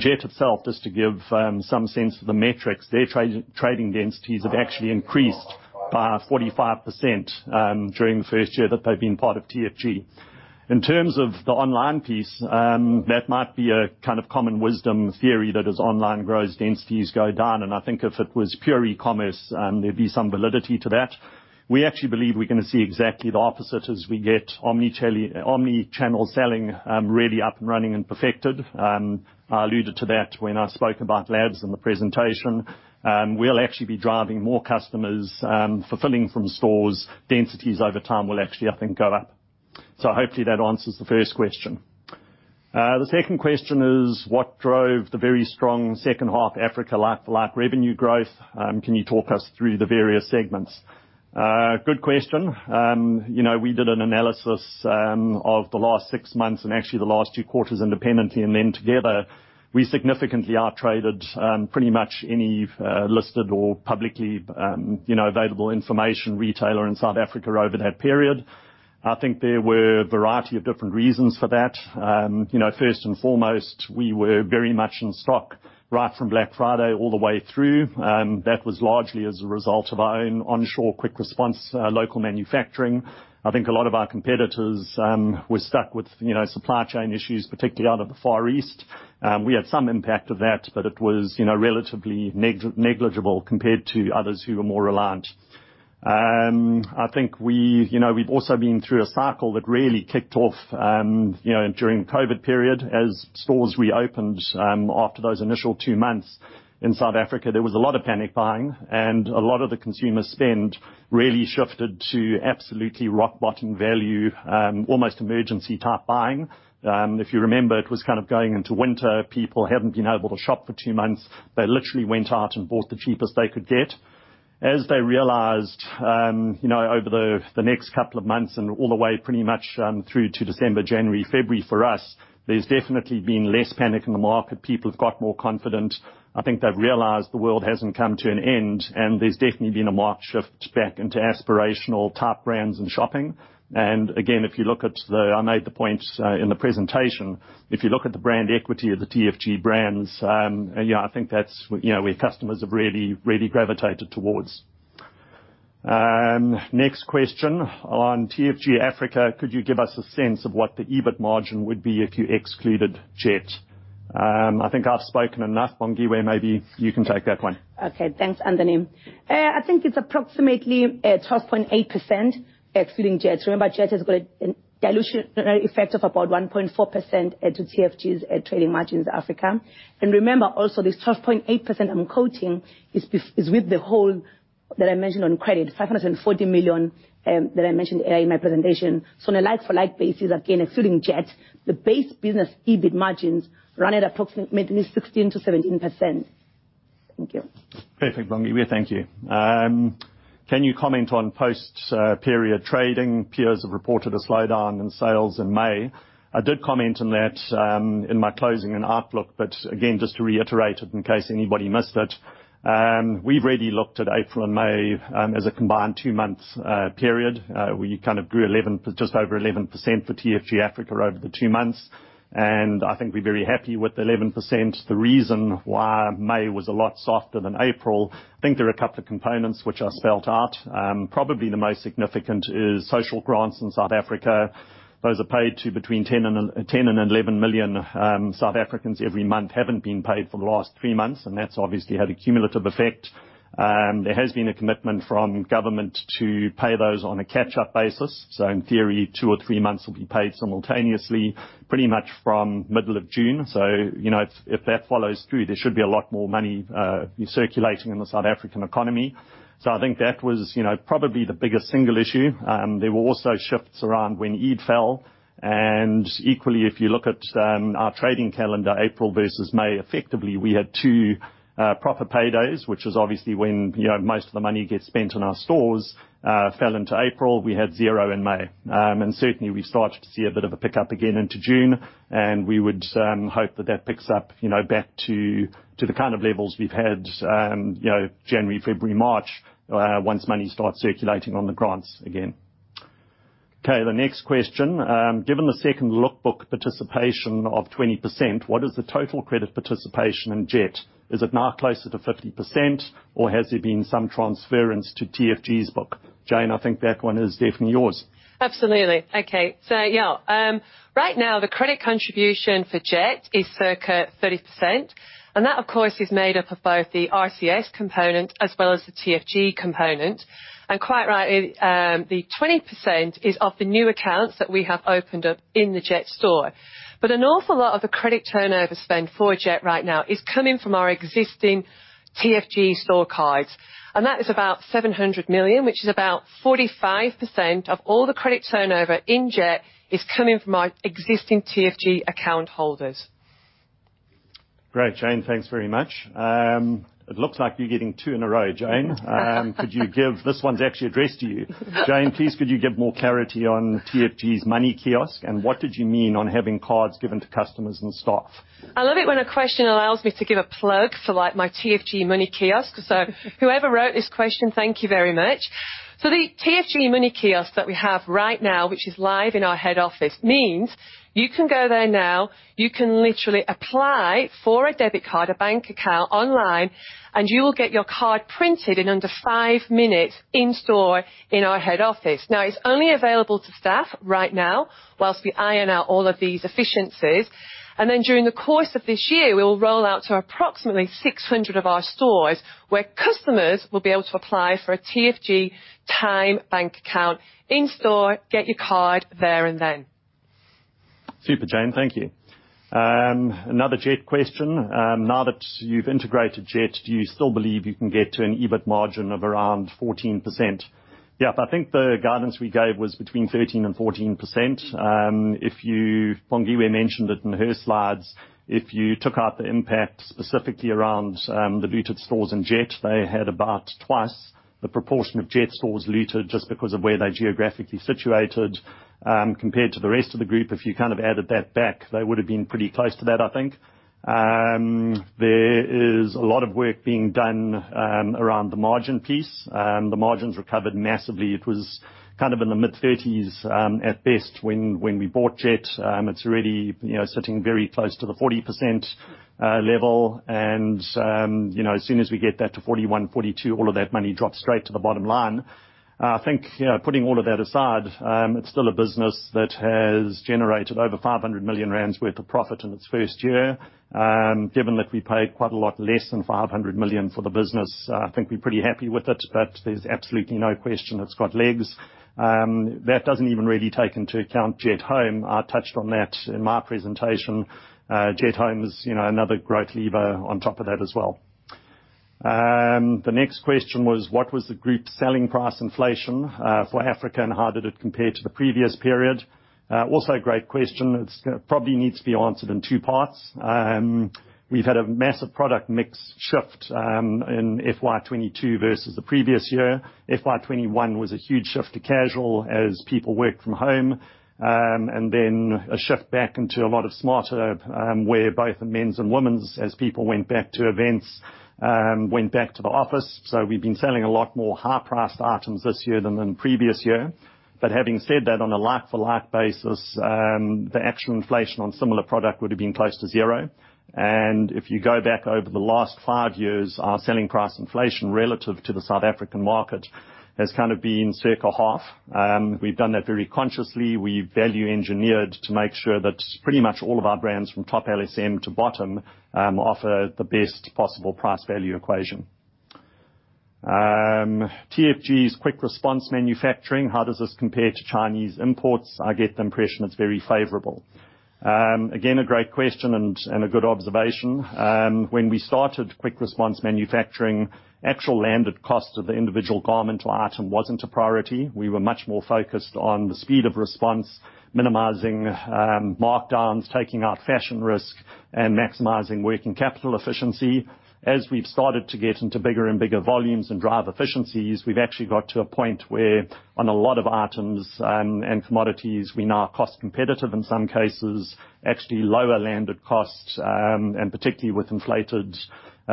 Jet itself, just to give some sense of the metrics, their trading densities have actually increased by 45% during the first year that they've been part of TFG. In terms of the online piece, that might be a kind of common wisdom theory that as online grows, densities go down, and I think if it was pure e-commerce, there'd be some validity to that. We actually believe we're gonna see exactly the opposite as we get omni-channel selling, really up and running and perfected. I alluded to that when I spoke about labs in the presentation. We'll actually be driving more customers, fulfilling from stores. Densities over time will actually, I think, go up. Hopefully, that answers the first question. The second question is what drove the very strong second half Africa like-for-like revenue growth? Can you talk us through the various segments? Good question. You know, we did an analysis of the last six months and actually the last two quarters independently, and then together. We significantly outtraded pretty much any other listed or publicly available information retailer in South Africa over that period. I think there were a variety of different reasons for that. You know, first and foremost, we were very much in stock, right from Black Friday all the way through. That was largely as a result of our own onshore quick response local manufacturing. I think a lot of our competitors were stuck with, you know, supply chain issues, particularly out of the Far East. We had some impact of that, but it was, you know, relatively negligible compared to others who were more reliant. I think we, you know, we've also been through a cycle that really kicked off, you know, during COVID period as stores reopened after those initial two months in South Africa. There was a lot of panic buying, and a lot of the consumer spend really shifted to absolutely rock bottom value, almost emergency-type buying. If you remember, it was kind of going into winter. People hadn't been able to shop for two months. They literally went out and bought the cheapest they could get. As they realized, you know, over the next couple of months and all the way pretty much through to December, January, February for us, there's definitely been less panic in the market. People have got more confident. I think they've realized the world hasn't come to an end, and there's definitely been a marked shift back into aspirational type brands and shopping. Again, if you look at the. I made the point in the presentation, if you look at the brand equity of the TFG brands, you know, I think that's what, you know, where customers have really, really gravitated towards. Next question. On TFG Africa, could you give us a sense of what the EBIT margin would be if you excluded Jet? I think I've spoken enough. Bongiwe, maybe you can take that one. Thanks, Anthony. I think it's approximately 12.8% excluding Jet. Remember, Jet has got a dilution effect of about 1.4% added to TFG's trading margins Africa. Remember also this 12.8% I'm quoting is with the hold that I mentioned on credit, 540 million, that I mentioned earlier in my presentation. On a like for like basis, again, excluding Jet, the base business EBIT margins run at approximately 16%-17%. Thank you. Perfect, Bongiwe. Thank you. Can you comment on post-period trading? Peers have reported a slowdown in sales in May. I did comment on that in my closing and outlook, but again, just to reiterate it in case anybody missed it, we've really looked at April and May as a combined two-month period. We kind of grew just over 11% for TFG Africa over the two months, and I think we're very happy with the 11%. The reason why May was a lot softer than April, I think there are a couple of components which I spelled out. Probably the most significant is social grants in South Africa. Those are paid to between 10 million-11 million South Africans every month, haven't been paid for the last three months, and that's obviously had a cumulative effect. There has been a commitment from government to pay those on a catch-up basis. In theory, two or three months will be paid simultaneously, pretty much from middle of June. You know, if that follows through, there should be a lot more money circulating in the South African economy. I think that was, you know, probably the biggest single issue. There were also shifts around when Eid fell, and equally, if you look at our trading calendar, April versus May, effectively, we had two proper pay days, which is obviously when, you know, most of the money gets spent in our stores, fell into April. We had zero in May. Certainly, we started to see a bit of a pickup again into June, and we would hope that picks up, you know, back to the kind of levels we've had, you know, January, February, March, once money starts circulating on the grants again. Okay, the next question, given the second-look book participation of 20%, what is the total credit participation in Jet? Is it now closer to 50%, or has there been some transference to TFG's book? Jane, I think that one is definitely yours. Absolutely. Okay. Yeah. Right now, the credit contribution for Jet is circa 30%, and that of course, is made up of both the RCS component as well as the TFG component, and quite rightly, the 20% is of the new accounts that we have opened up in the Jet store. But an awful lot of the credit turnover spend for Jet right now is coming from our existing TFG store cards, and that is about 700 million, which is about 45% of all the credit turnover in Jet is coming from our existing TFG account holders. Great, Jane. Thanks very much. It looks like you're getting two in a row, Jane. This one's actually addressed to you. Jane, please could you give more clarity on TFG Money Kiosk, and what did you mean on having cards given to customers and staff? I love it when a question allows me to give a plug for, like, my TFG Money Kiosk. Whoever wrote this question, thank you very much. The TFG Money Kiosk that we have right now, which is live in our head office, means you can go there now, you can literally apply for a debit card, a bank account online, and you will get your card printed in under five minutes in store in our head office. Now, it's only available to staff right now while we iron out all of these efficiencies. During the course of this year, we will roll out to approximately 600 of our stores, where customers will be able to apply for a TFG TymeBank account in store, get your card there and then. Super, Jane. Thank you. Another Jet question. Now that you've integrated Jet, do you still believe you can get to an EBIT margin of around 14%? Yeah, I think the guidance we gave was between 13%-14%. Bongiwe mentioned it in her slides. If you took out the impact specifically around the looted stores in Jet, they had about twice the proportion of Jet stores looted just because of where they're geographically situated compared to the rest of the group. If you kind of added that back, they would've been pretty close to that, I think. There is a lot of work being done around the margin piece. The margins recovered massively. It was kind of in the mid-30s% at best when we bought Jet. It's already, you know, sitting very close to the 40% level. You know, as soon as we get that to 41%, 42%, all of that money drops straight to the bottom line. I think, you know, putting all of that aside, it's still a business that has generated over 500 million rand worth of profit in its first year. Given that we paid quite a lot less than 500 million for the business, I think we're pretty happy with it, but there's absolutely no question it's got legs. That doesn't even really take into account Jet Home. I touched on that in my presentation. Jet Home is, you know, another growth lever on top of that as well. The next question was, what was the group selling price inflation for Africa, and how did it compare to the previous period? Also a great question. It's probably needs to be answered in two parts. We've had a massive product mix shift in FY 2022 versus the previous year. FY 2021 was a huge shift to casual as people worked from home, and then a shift back into a lot of smarter wear, both in men's and women's, as people went back to events, went back to the office. We've been selling a lot more high-priced items this year than the previous year. Having said that, on a like-for-like basis, the actual inflation on similar product would've been close to zero. If you go back over the last five years, our selling price inflation relative to the South African market has kind of been circa half. We've done that very consciously. We value engineered to make sure that pretty much all of our brands from top LSM to bottom offer the best possible price-value equation. TFG's quick response manufacturing, how does this compare to Chinese imports? I get the impression it's very favorable. Again, a great question and a good observation. When we started quick response manufacturing, actual landed cost of the individual garment or item wasn't a priority. We were much more focused on the speed of response, minimizing markdowns, taking out fashion risk, and maximizing working capital efficiency. As we've started to get into bigger and bigger volumes and drive efficiencies, we've actually got to a point where on a lot of items and commodities, we're now cost competitive, in some cases, actually lower landed costs and particularly with inflated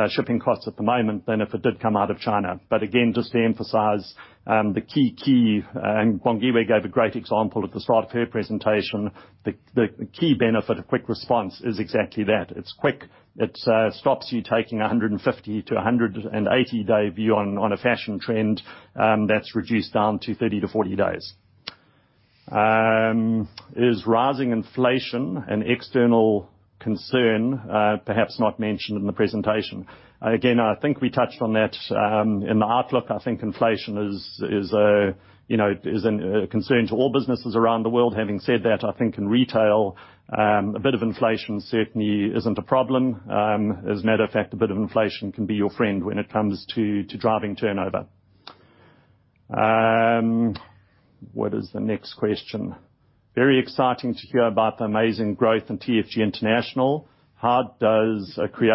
shipping costs at the moment, than if it did come out of China. Again, just to emphasize, the key and Bongiwe gave a great example at the start of her presentation. The key benefit of quick response is exactly that. It's quick. It stops you taking a 150- to 180-day view on a fashion trend. That's reduced down to 30-40 days. Is rising inflation an external concern, perhaps not mentioned in the presentation? Again, I think we touched on that in the outlook. I think inflation is you know a concern to all businesses around the world. Having said that, I think in retail a bit of inflation certainly isn't a problem. As a matter of fact, a bit of inflation can be your friend when it comes to driving turnover. What is the next question? Very exciting to hear about the amazing growth in TFG International. Oh, sorry,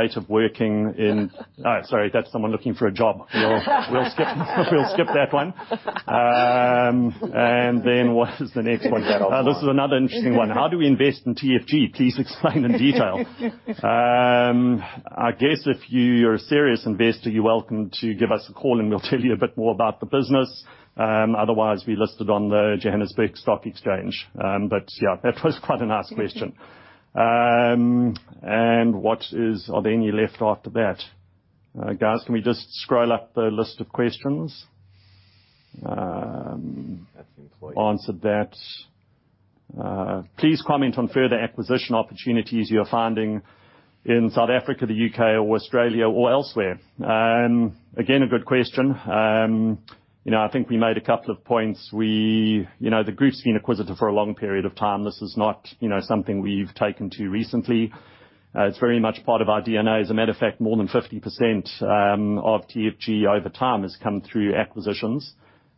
that's someone looking for a job. We'll skip that one. What is the next one? This is another interesting one. How do we invest in TFG? Please explain in detail. I guess if you're a serious investor, you're welcome to give us a call and we'll tell you a bit more about the business. Otherwise we're listed on the Johannesburg Stock Exchange. Yeah, that was quite a nice question. What is? Are there any left after that? Guys, can we just scroll up the list of questions? Answered that. Please comment on further acquisition opportunities you're finding in South Africa, the U.K. or Australia or elsewhere. Again, a good question. You know, I think we made a couple of points. We, you know, the group's been inquisitive for a long period of time. This is not, you know, something we've taken to recently. It's very much part of our DNA. As a matter of fact, more than 50% of TFG over time has come through acquisitions.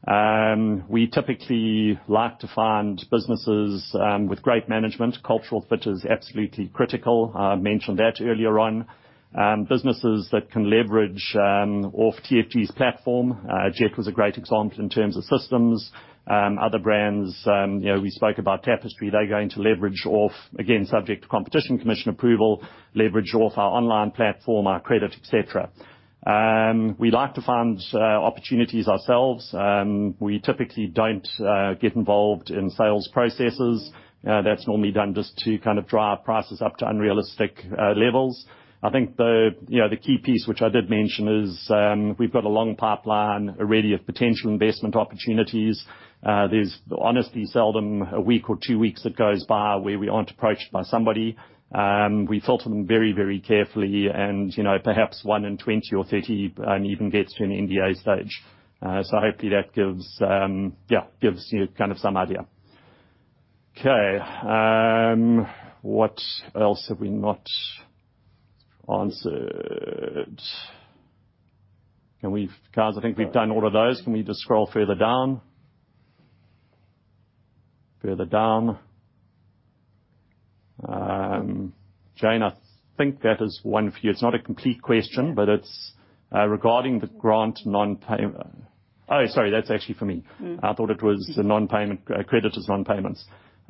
We typically like to find businesses with great management. Cultural fit is absolutely critical. I mentioned that earlier on. Businesses that can leverage off TFG's platform. Jet was a great example in terms of systems. Other brands, you know, we spoke about Tapestry. They're going to leverage off, again, subject to Competition Commission approval, our online platform, our credit, et cetera. We like to find opportunities ourselves. We typically don't get involved in sales processes. That's normally done just to kind of drive prices up to unrealistic levels. I think the, you know, the key piece which I did mention is, we've got a long pipeline already of potential investment opportunities. There's honestly seldom a week or two weeks that goes by where we aren't approached by somebody. We filter them very, very carefully and, you know, perhaps one in 20 or 30 even gets to an NDA stage. So hopefully that gives, yeah, gives you kind of some idea. Okay. What else have we not answered? Can we? Guys, I think we've done all of those. Can we just scroll further down? Further down. Jane, I think that is one for you. It's not a complete question. Yeah. Oh, sorry, that's actually for me. Mm. I thought it was the non-payment, creditors non-payments.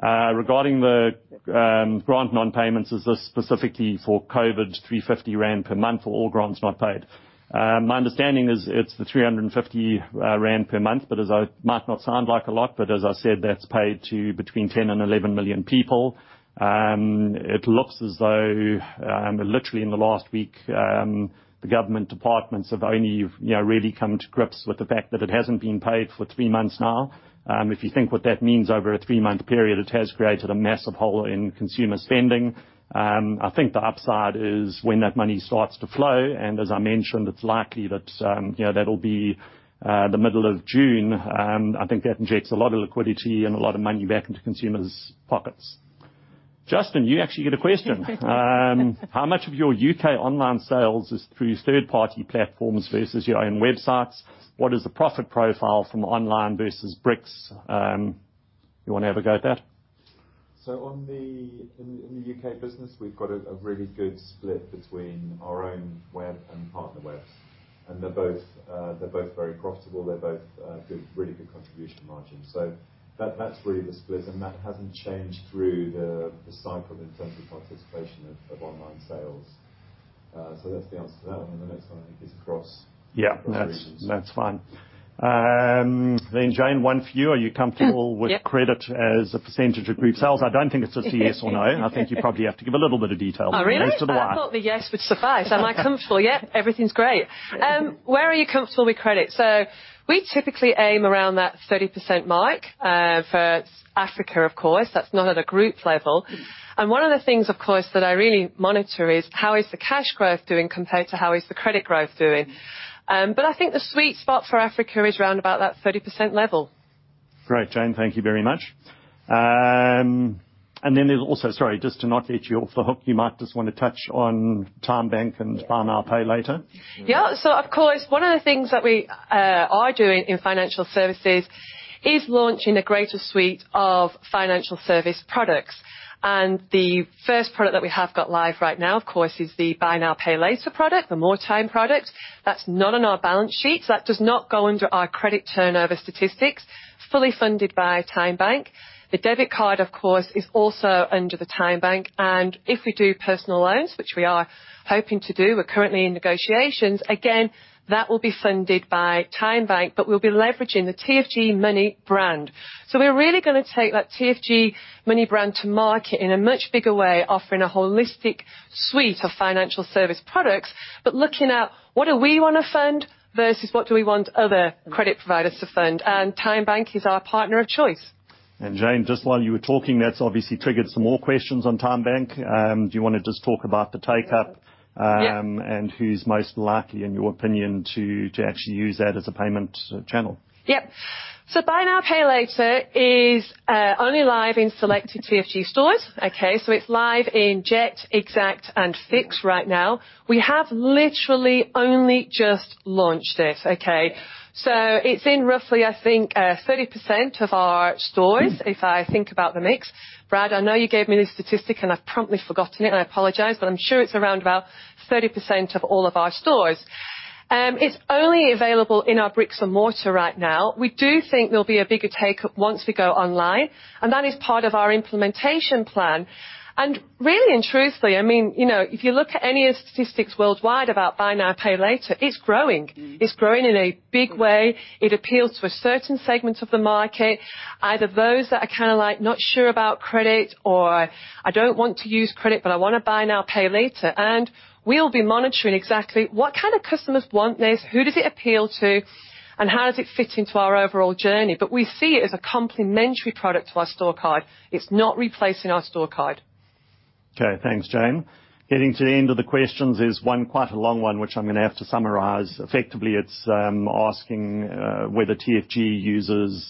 Regarding the grant non-payments, is this specifically for COVID 350 rand per month or all grants not paid? My understanding is it's 350 rand per month, but it might not sound like a lot, but as I said, that's paid to between 10 milion and 11 million people. It looks as though literally in the last week the government departments have only, you know, really come to grips with the fact that it hasn't been paid for three months now. If you think what that means over a three-month period, it has created a massive hole in consumer spending. I think the upside is when that money starts to flow, and as I mentioned, it's likely that, you know, that'll be the middle of June. I think that injects a lot of liquidity and a lot of money back into consumers' pockets. Justin, you actually get a question. How much of your U.K. online sales is through third-party platforms versus your own websites? What is the profit profile from online versus bricks? You wanna have a go at that? In the U.K. business, we've got a really good split between our own web and partner web. They're both very profitable. They're both good, really good contribution margins. That's really the split, and that hasn't changed through the cycle in terms of participation of online sales. That's the answer to that one. The next one I think is across- Yeah. Across regions. That's fine. Jane, one for you. Are you comfortable? Yep. With credit as a percentage of group sales? I don't think it's just a yes or no. I think you probably have to give a little bit of detail. Oh, really? Most of the while. I thought the yes would suffice. Am I comfortable? Yep. Everything's great. Where are you comfortable with credit? We typically aim around that 30% mark for Africa, of course. That's not at a group level. One of the things, of course, that I really monitor is how is the cash growth doing compared to how is the credit growth doing. I think the sweet spot for Africa is around about that 30% level. Great, Jane. Thank you very much. Sorry, just to not let you off the hook, you might just wanna touch on TymeBank and Buy Now Pay Later. Yeah. Of course, one of the things that we are doing in financial services is launching a greater suite of financial service products. The first product that we have got live right now, of course, is the Buy Now Pay Later product, the MoreTyme product. That's not on our balance sheet. That does not go under our credit turnover statistics, fully funded by TymeBank. The debit card, of course, is also under the TymeBank. If we do personal loans, which we are hoping to do, we're currently in negotiations, again, that will be funded by TymeBank, but we'll be leveraging the TFG Money brand. We're really gonna take that TFG Money brand to market in a much bigger way, offering a holistic suite of financial service products. Looking at what do we wanna fund versus what do we want other credit providers to fund, and TymeBank is our partner of choice. Jane, just while you were talking, that's obviously triggered some more questions on TymeBank. Do you wanna just talk about the take-up? Yeah. Who's most likely, in your opinion, to actually use that as a payment channel? Yep. Buy Now Pay Later is only live in selected TFG stores. Okay, it's live in Jet, EXACT, and The FIX right now. We have literally only just launched it. Okay. It's in roughly, I think, 30% of our stores, if I think about the mix. Brad, I know you gave me this statistic, and I've promptly forgotten it, and I apologize, but I'm sure it's around about 30% of all of our stores. It's only available in our brick-and-mortar right now. We do think there'll be a bigger take-up once we go online, and that is part of our implementation plan. Really and truthfully, I mean, you know, if you look at any statistics worldwide about Buy Now Pay Later, it's growing. It's growing in a big way. It appeals to a certain segment of the market, either those that are kinda like not sure about credit or I don't want to use credit, but I wanna buy now, pay later. We'll be monitoring exactly what kind of customers want this, who does it appeal to, and how does it fit into our overall journey. We see it as a complementary product to our Store Card. It's not replacing our Store Card. Okay, thanks, Jane. Getting to the end of the questions, there's one quite a long one which I'm gonna have to summarize. Effectively, it's asking whether TFG uses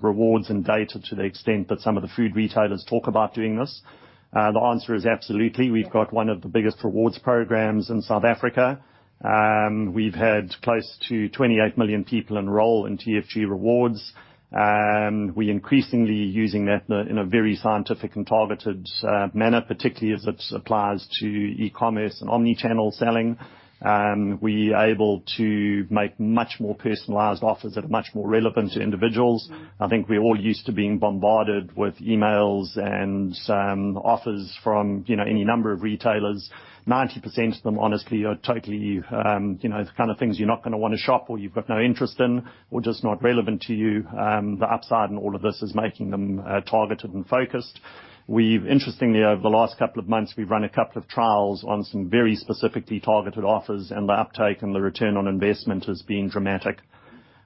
rewards and data to the extent that some of the food retailers talk about doing this. The answer is absolutely. We've got one of the biggest rewards programs in South Africa. We've had close to 28 million people enroll in TFG Rewards. We're increasingly using that in a very scientific and targeted manner, particularly as it applies to e-commerce and omni-channel selling. We are able to make much more personalized offers that are much more relevant to individuals. I think we're all used to being bombarded with emails and some offers from, you know, any number of retailers. 90% of them, honestly, are totally, you know, the kind of things you're not gonna wanna shop or you've got no interest in or just not relevant to you. The upside in all of this is making them targeted and focused. We've interestingly over the last couple of months, we've run a couple of trials on some very specifically targeted offers, and the uptake and the return on investment has been dramatic.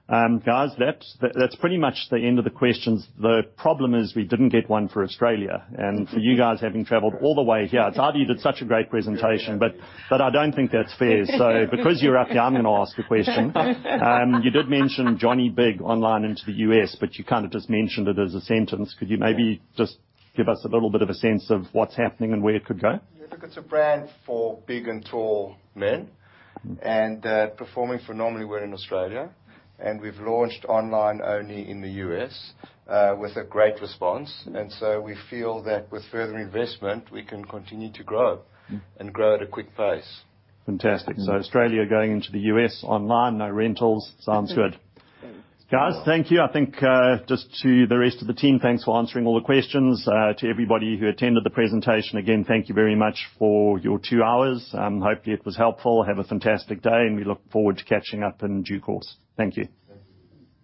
Guys, that's pretty much the end of the questions. The problem is we didn't get one for Australia, and for you guys having traveled all the way here, it's either you did such a great presentation, but I don't think that's fair. Because you're up here, I'm gonna ask a question. You did mention Johnny Bigg online into the U.S., but you kinda just mentioned it as a sentence. Could you maybe just give us a little bit of a sense of what's happening and where it could go? Look, it's a brand for big and tall men. Normally, we're in Australia, and we've launched online only in the U.S. with a great response. We feel that with further investment, we can continue to grow and grow at a quick pace. Fantastic. Australia going into the U.S. online, no rentals. Sounds good. Thanks. Guys, thank you. I think, just to the rest of the team, thanks for answering all the questions. To everybody who attended the presentation, again, thank you very much for your two hours. Hopefully it was helpful. Have a fantastic day, and we look forward to catching up in due course. Thank you.